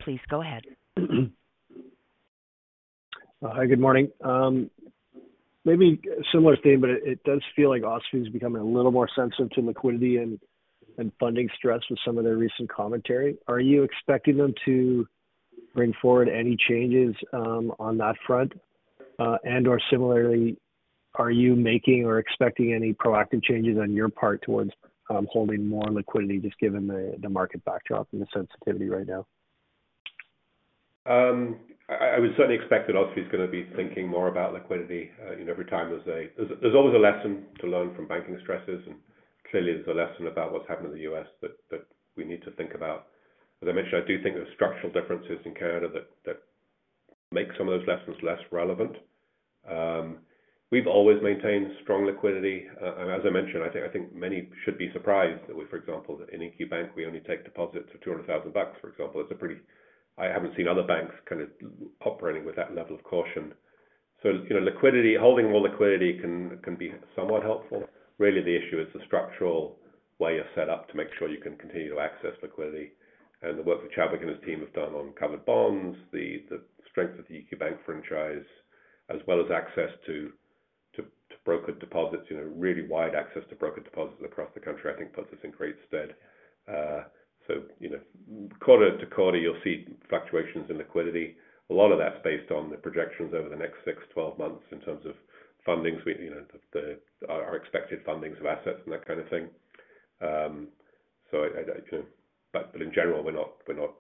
A: Please go ahead.
K: Hi, good morning. Maybe a similar theme, but it does feel like OSFI is becoming a little more sensitive to liquidity and funding stress with some of their recent commentary. Are you expecting them to bring forward any changes on that front? Or similarly, are you making or expecting any proactive changes on your part towards holding more liquidity just given the market backdrop and the sensitivity right now?
C: I would certainly expect that OSFI is gonna be thinking more about liquidity. You know, every time there's always a lesson to learn from banking stresses, and clearly there's a lesson about what's happened in the U.S. that we need to think about. As I mentioned, I do think there are structural differences in Canada that make some of those lessons less relevant. We've always maintained strong liquidity. As I mentioned, I think many should be surprised that we, for example, that in EQ Bank we only take deposits of $200,000, for example. I haven't seen other banks kind of operating with that level of caution. You know, liquidity, holding more liquidity can be somewhat helpful. Really the issue is the structural way you're set up to make sure you can continue to access liquidity. The work that Chadwick and his team have done on covered bonds, the strength of the EQ Bank franchise, as well as access to broker deposits, you know, really wide access to broker deposits across the country I think puts us in great stead. You know, quarter to quarter you'll see fluctuations in liquidity. A lot of that's based on the projections over the next 6, 12 months in terms of fundings. We, you know, our expected fundings of assets and that kind of thing. I, you know. In general, we're not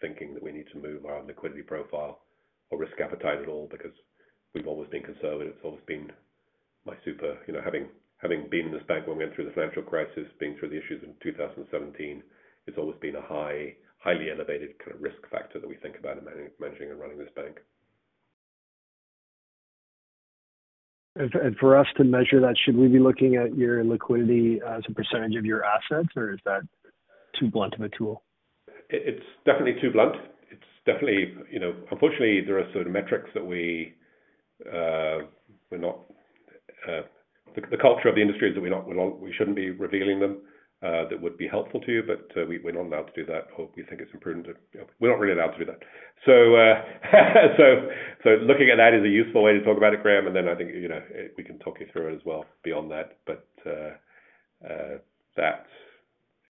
C: thinking that we need to move our liquidity profile or risk appetite at all because we've always been conservative. It's always been my super. You know, having been in this bank when we went through the financial crisis, being through the issues in 2017, it's always been a high, highly elevated kind of risk factor that we think about in man-managing and running this bank.
K: For us to measure that, should we be looking at your liquidity as a % of your assets or is that too blunt of a tool?
C: It's definitely too blunt. It's definitely. You know, unfortunately there are certain metrics that we shouldn't be revealing them. That would be helpful to you, but, we're not allowed to do that, or we think it's imprudent to. You know, we're not really allowed to do that. Looking at that is a useful way to talk about it, Graham. I think, you know, we can talk you through it as well beyond that. That's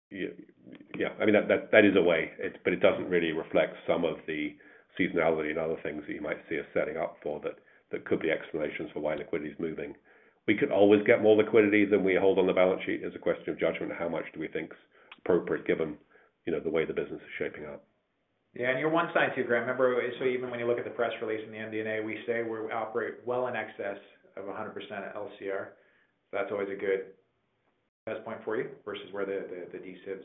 C: yeah. I mean, that is a way, but it doesn't really reflect some of the seasonality and other things that you might see us setting up for that could be explanations for why liquidity is moving. We could always get more liquidity than we hold on the balance sheet. It's a question of judgment of how much do we think is appropriate given, you know, the way the business is shaping up.
D: Yeah. You're one side too, Graham. Remember, even when you look at the press release in the MD&A, we say we operate well in excess of 100% LCR. That's always a good test point for you versus where the D-SIB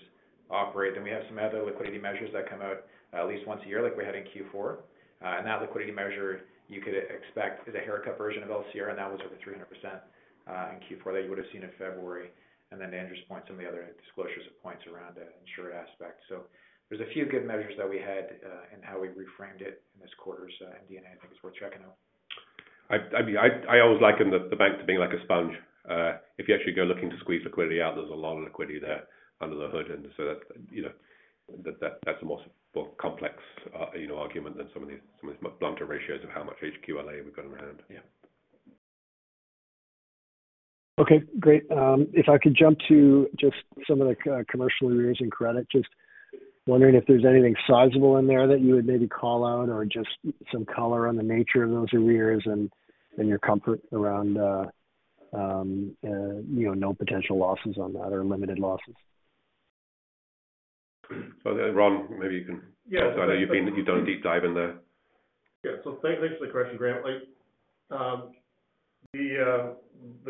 D: operate. We have some other liquidity measures that come out at least once a year, like we had in Q4. That liquidity measure you could expect is a haircut version of LCR, and that was over 300% in Q4 that you would have seen in February. To Andrew's point, some of the other disclosures of points around the insured aspect. There's a few good measures that we had in how we reframed it in this quarter's MD&A I think is worth checking out.
C: I mean, I always liken the bank to being like a sponge. If you actually go looking to squeeze liquidity out, there's a lot of liquidity there under the hood. That's a more, more complex, you know, argument than some of the, some of the blunter ratios of how much HQLA we've got around. Yeah.
K: Okay, great. If I could jump to just some of the commercial arrears and credit, just wondering if there's anything sizable in there that you would maybe call out or just some color on the nature of those arrears and your comfort around, you know, no potential losses on that or limited losses?
C: Ron, maybe you can-
L: Yeah.
C: I know you've done a deep dive in there.
L: Yeah. Thanks for the question, Graham. Like, the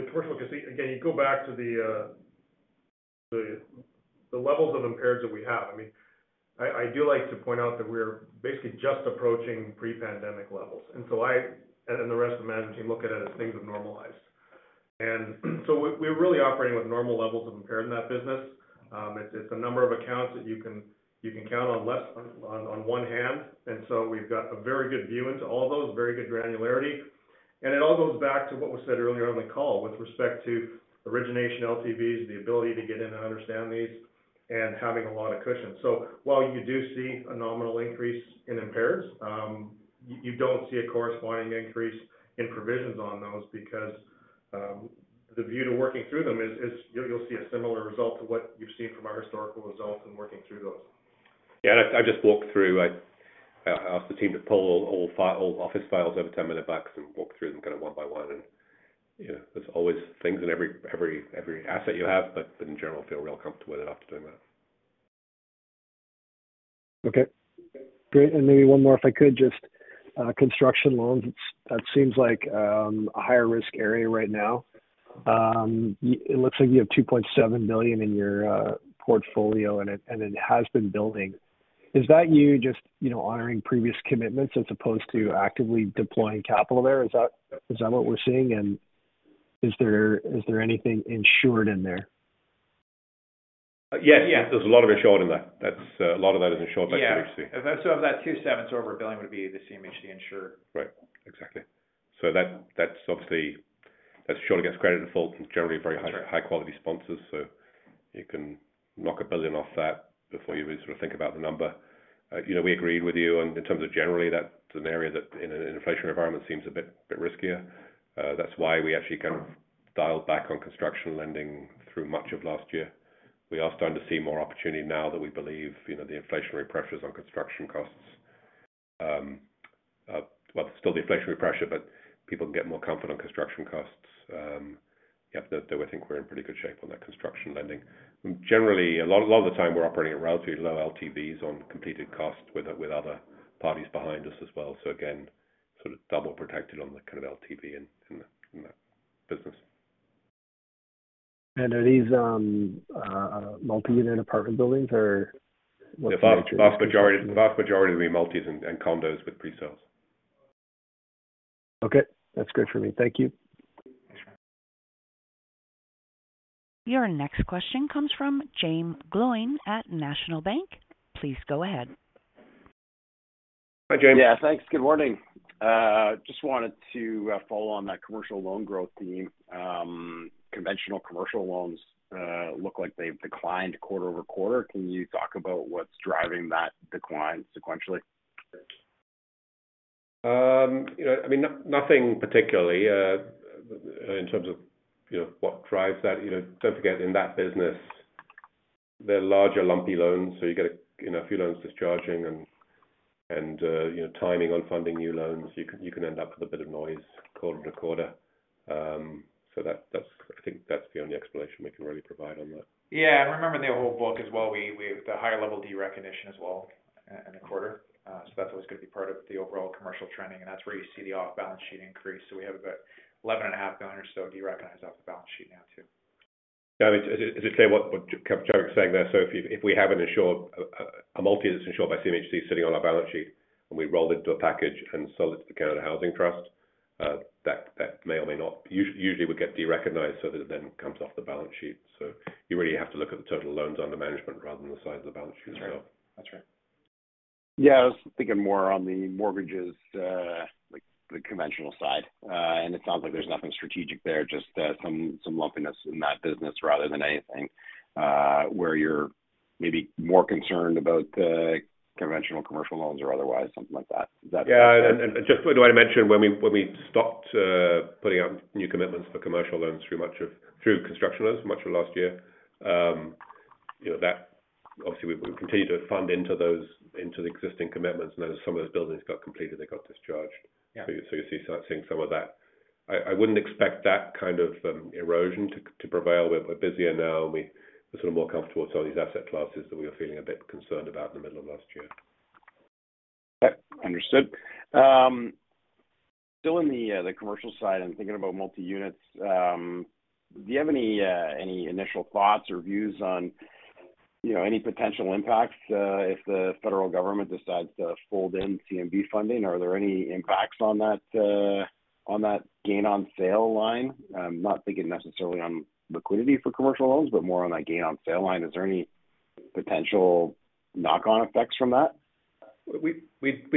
L: commercial. Again, you go back to the levels of impaired that we have. I mean, I do like to point out that we're basically just approaching pre-pandemic levels. I and the rest of the management team look at it as things have normalized. We're really operating with normal levels of impaired in that business. It's a number of accounts that you can count on less on one hand. We've got a very good view into all those, very good granularity. It all goes back to what was said earlier on the call with respect to origination LTVs, the ability to get in and understand these, and having a lot of cushion. While you do see a nominal increase in impairs, you don't see a corresponding increase in provisions on those because the view to working through them is you'll see a similar result to what you've seen from our historical results in working through those.
C: Yeah. I just walked through. I asked the team to pull all office files over 10 minute backs and walk through them kind of one by one. Yeah, there's always things in every asset you have, but in general, feel real comfortable with it after doing that.
K: Okay, great. Maybe one more, if I could. Just construction loans, that seems like a higher risk area right now. It looks like you have 2.7 billion in your portfolio, and it has been building. Is that you just, you know, honoring previous commitments as opposed to actively deploying capital there? Is that what we're seeing, and is there anything insured in there?
C: Yes. There's a lot of insured in that. That's, a lot of that is insured by CMHC.
D: Yeah. Of that 2.7 billion, so over 1 billion would be the CMHC insurer.
C: Right. Exactly. That's obviously that surely gets credit in full from generally very high, high-quality sponsors. You can knock 1 billion off that before you sort of think about the number. You know, we agreed with you, and in terms of generally, that's an area that in an inflation environment seems a bit riskier. That's why we actually kind of dialed back on construction lending through much of last year. We are starting to see more opportunity now that we believe, you know, the inflationary pressures on construction costs. Well, still the inflationary pressure, but people can get more comfort on construction costs. Yeah. I think we're in pretty good shape on that construction lending. Generally, a lot of the time we're operating at relatively low LTVs on completed costs with other parties behind us as well. Again, sort of double protected on the kind of LTV in the, in that business.
K: Are these multi-unit apartment buildings or what's the nature of these?
C: The vast majority will be multis and condos with pre-sales.
K: Okay. That's great for me. Thank you.
C: Thanks.
A: Your next question comes from Jaeme Gloyn at National Bank. Please go ahead.
C: Hi, Jaeme.
M: Yeah. Thanks. Good morning. just wanted to follow on that commercial loan growth theme. Conventional commercial loans look like they've declined quarter-over-quarter. Can you talk about what's driving that decline sequentially?
C: You know, I mean, nothing particularly, in terms of, you know, what drives that. You know, don't forget, in that business, they're larger lumpy loans, so you get a, you know, a few loans discharging and, you know, timing on funding new loans, you can end up with a bit of noise quarter to quarter. That's I think that's the only explanation we can really provide on that.
D: Yeah. Remember the whole book as well, we have the higher level derecognition as well in the quarter. That's always going to be part of the overall commercial trending, and that's where you see the off-balance sheet increase. We have about eleven and a half billion or so derecognized off the balance sheet now too.
C: Is it clear what Joe is saying there? If we have an insured multi that's insured by CMHC sitting on our balance sheet, and we rolled into a package and sold it to the Canada Housing Trust, that may or may not usually would get derecognized so that it then comes off the balance sheet. You really have to look at the total loans under management rather than the size of the balance sheet as well.
D: That's right.
M: Yeah. I was thinking more on the mortgages, like the conventional side. It sounds like there's nothing strategic there, just some lumpiness in that business rather than anything, where you're maybe more concerned about the conventional commercial loans or otherwise, something like that. Is that?
C: Yeah. Just wanted to mention when we stopped, putting out new commitments for commercial loans through construction loans much of last year, you know, that obviously we continued to fund into those, into the existing commitments. As some of those buildings got completed, they got discharged.
M: Yeah.
C: You start seeing some of that. I wouldn't expect that kind of erosion to prevail. We're busier now, and we are sort of more comfortable with some of these asset classes that we are feeling a bit concerned about in the middle of last year.
M: Okay. Understood. still in the commercial side and thinking about multi-units, do you have any initial thoughts or views on, you know, any potential impacts, if the federal government decides to fold in CMB funding? Are there any impacts on that, on that gain on sale line? I'm not thinking necessarily on liquidity for commercial loans, but more on that gain on sale line. Is there any potential knock-on effects from that?
C: We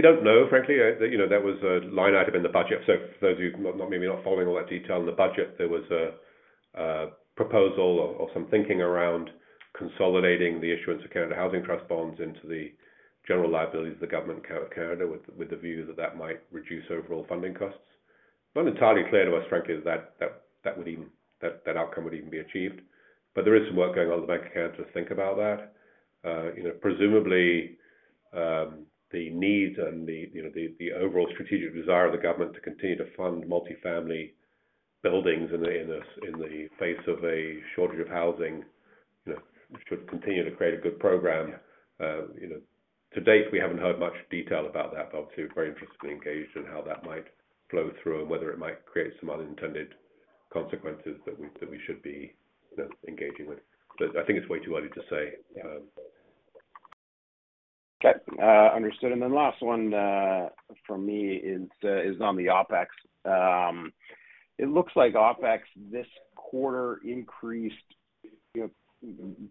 C: don't know, frankly. You know, that was a line item in the budget. For those of you not maybe not following all that detail in the budget, there was a proposal or some thinking around consolidating the issuance of Canada Housing Trust bonds into the general liabilities of the government of Canada, with the view that that might reduce overall funding costs. Not entirely clear to us, frankly, that outcome would even be achieved. There is some work going on at the Bank of Canada to think about that. You know, presumably, the need and the, you know, the overall strategic desire of the government to continue to fund multi-family buildings in the face of a shortage of housing, you know, should continue to create a good program. You know, to date, we haven't heard much detail about that, but obviously we're very interested and engaged in how that might flow through and whether it might create some unintended consequences that we should be, you know, engaging with. I think it's way too early to say.
M: Okay. Understood. Last one from me is on the OpEx. It looks like OpEx this quarter increased, you know,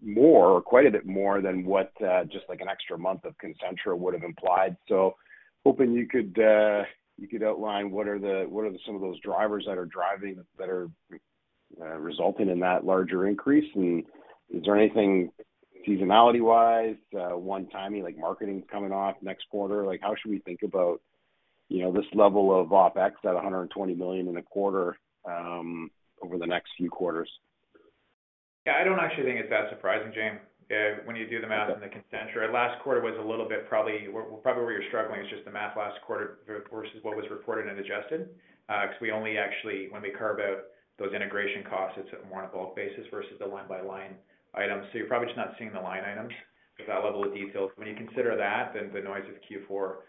M: more or quite a bit more than what just like an extra month of Concentra would have implied. Hoping you could outline what are some of those drivers that are resulting in that larger increase? Is there anything seasonality-wise, one-timey, like marketing coming off next quarter? Like, how should we think about, you know, this level of OpEx at 120 million in a quarter over the next few quarters?
D: Yeah. I don't actually think it's that surprising, James. When you do the math in the Concentra, last quarter was a little bit probably where you're struggling is just the math last quarter versus what was reported and adjusted. 'Cause we only actually when we carve out those integration costs, it's more on a bulk basis versus the line-by-line items. You're probably just not seeing the line items with that level of detail. When you consider that, the noise of Q4,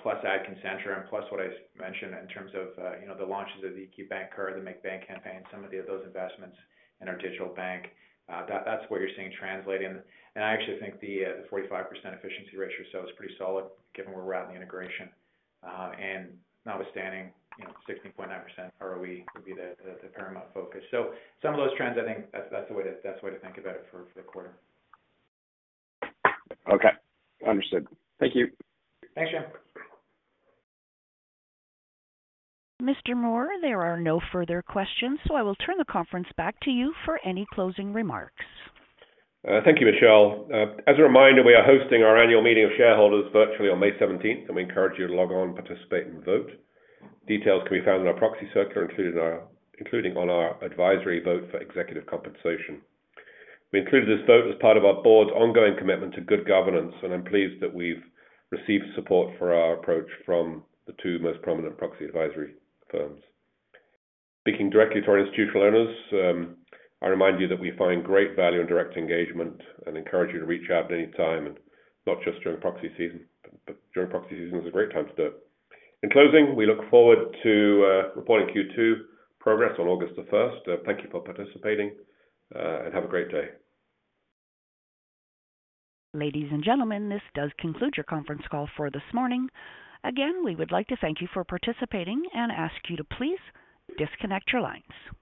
D: plus add Concentra and plus what I mentioned in terms of, you know, the launches of EQ Bank Card, the Make Bank campaign, those investments in our digital bank, that's what you're seeing translating. I actually think the 45% efficiency ratio. It's pretty solid given where we're at in the integration. Notwithstanding, you know, 16.9% ROE would be the paramount focus. Some of those trends, I think that's the way to think about it for the quarter.
M: Okay. Understood. Thank you.
D: Thanks, James.
A: Mr. Moor, there are no further questions, so I will turn the conference back to you for any closing remarks.
C: Thank you, Michelle. As a reminder, we are hosting our annual meeting of shareholders virtually on May 17th. We encourage you to log on, participate, and vote. Details can be found in our proxy circular, including on our advisory vote for executive compensation. We included this vote as part of our board's ongoing commitment to good governance. I'm pleased that we've received support for our approach from the two most prominent proxy advisory firms. Speaking directly to our institutional owners, I remind you that we find great value in direct engagement and encourage you to reach out at any time, and not just during proxy season. During proxy season is a great time to do it. In closing, we look forward to reporting Q2 progress on August 1st. Thank you for participating. Have a great day.
A: Ladies and gentlemen, this does conclude your conference call for this morning. We would like to thank you for participating and ask you to please disconnect your lines.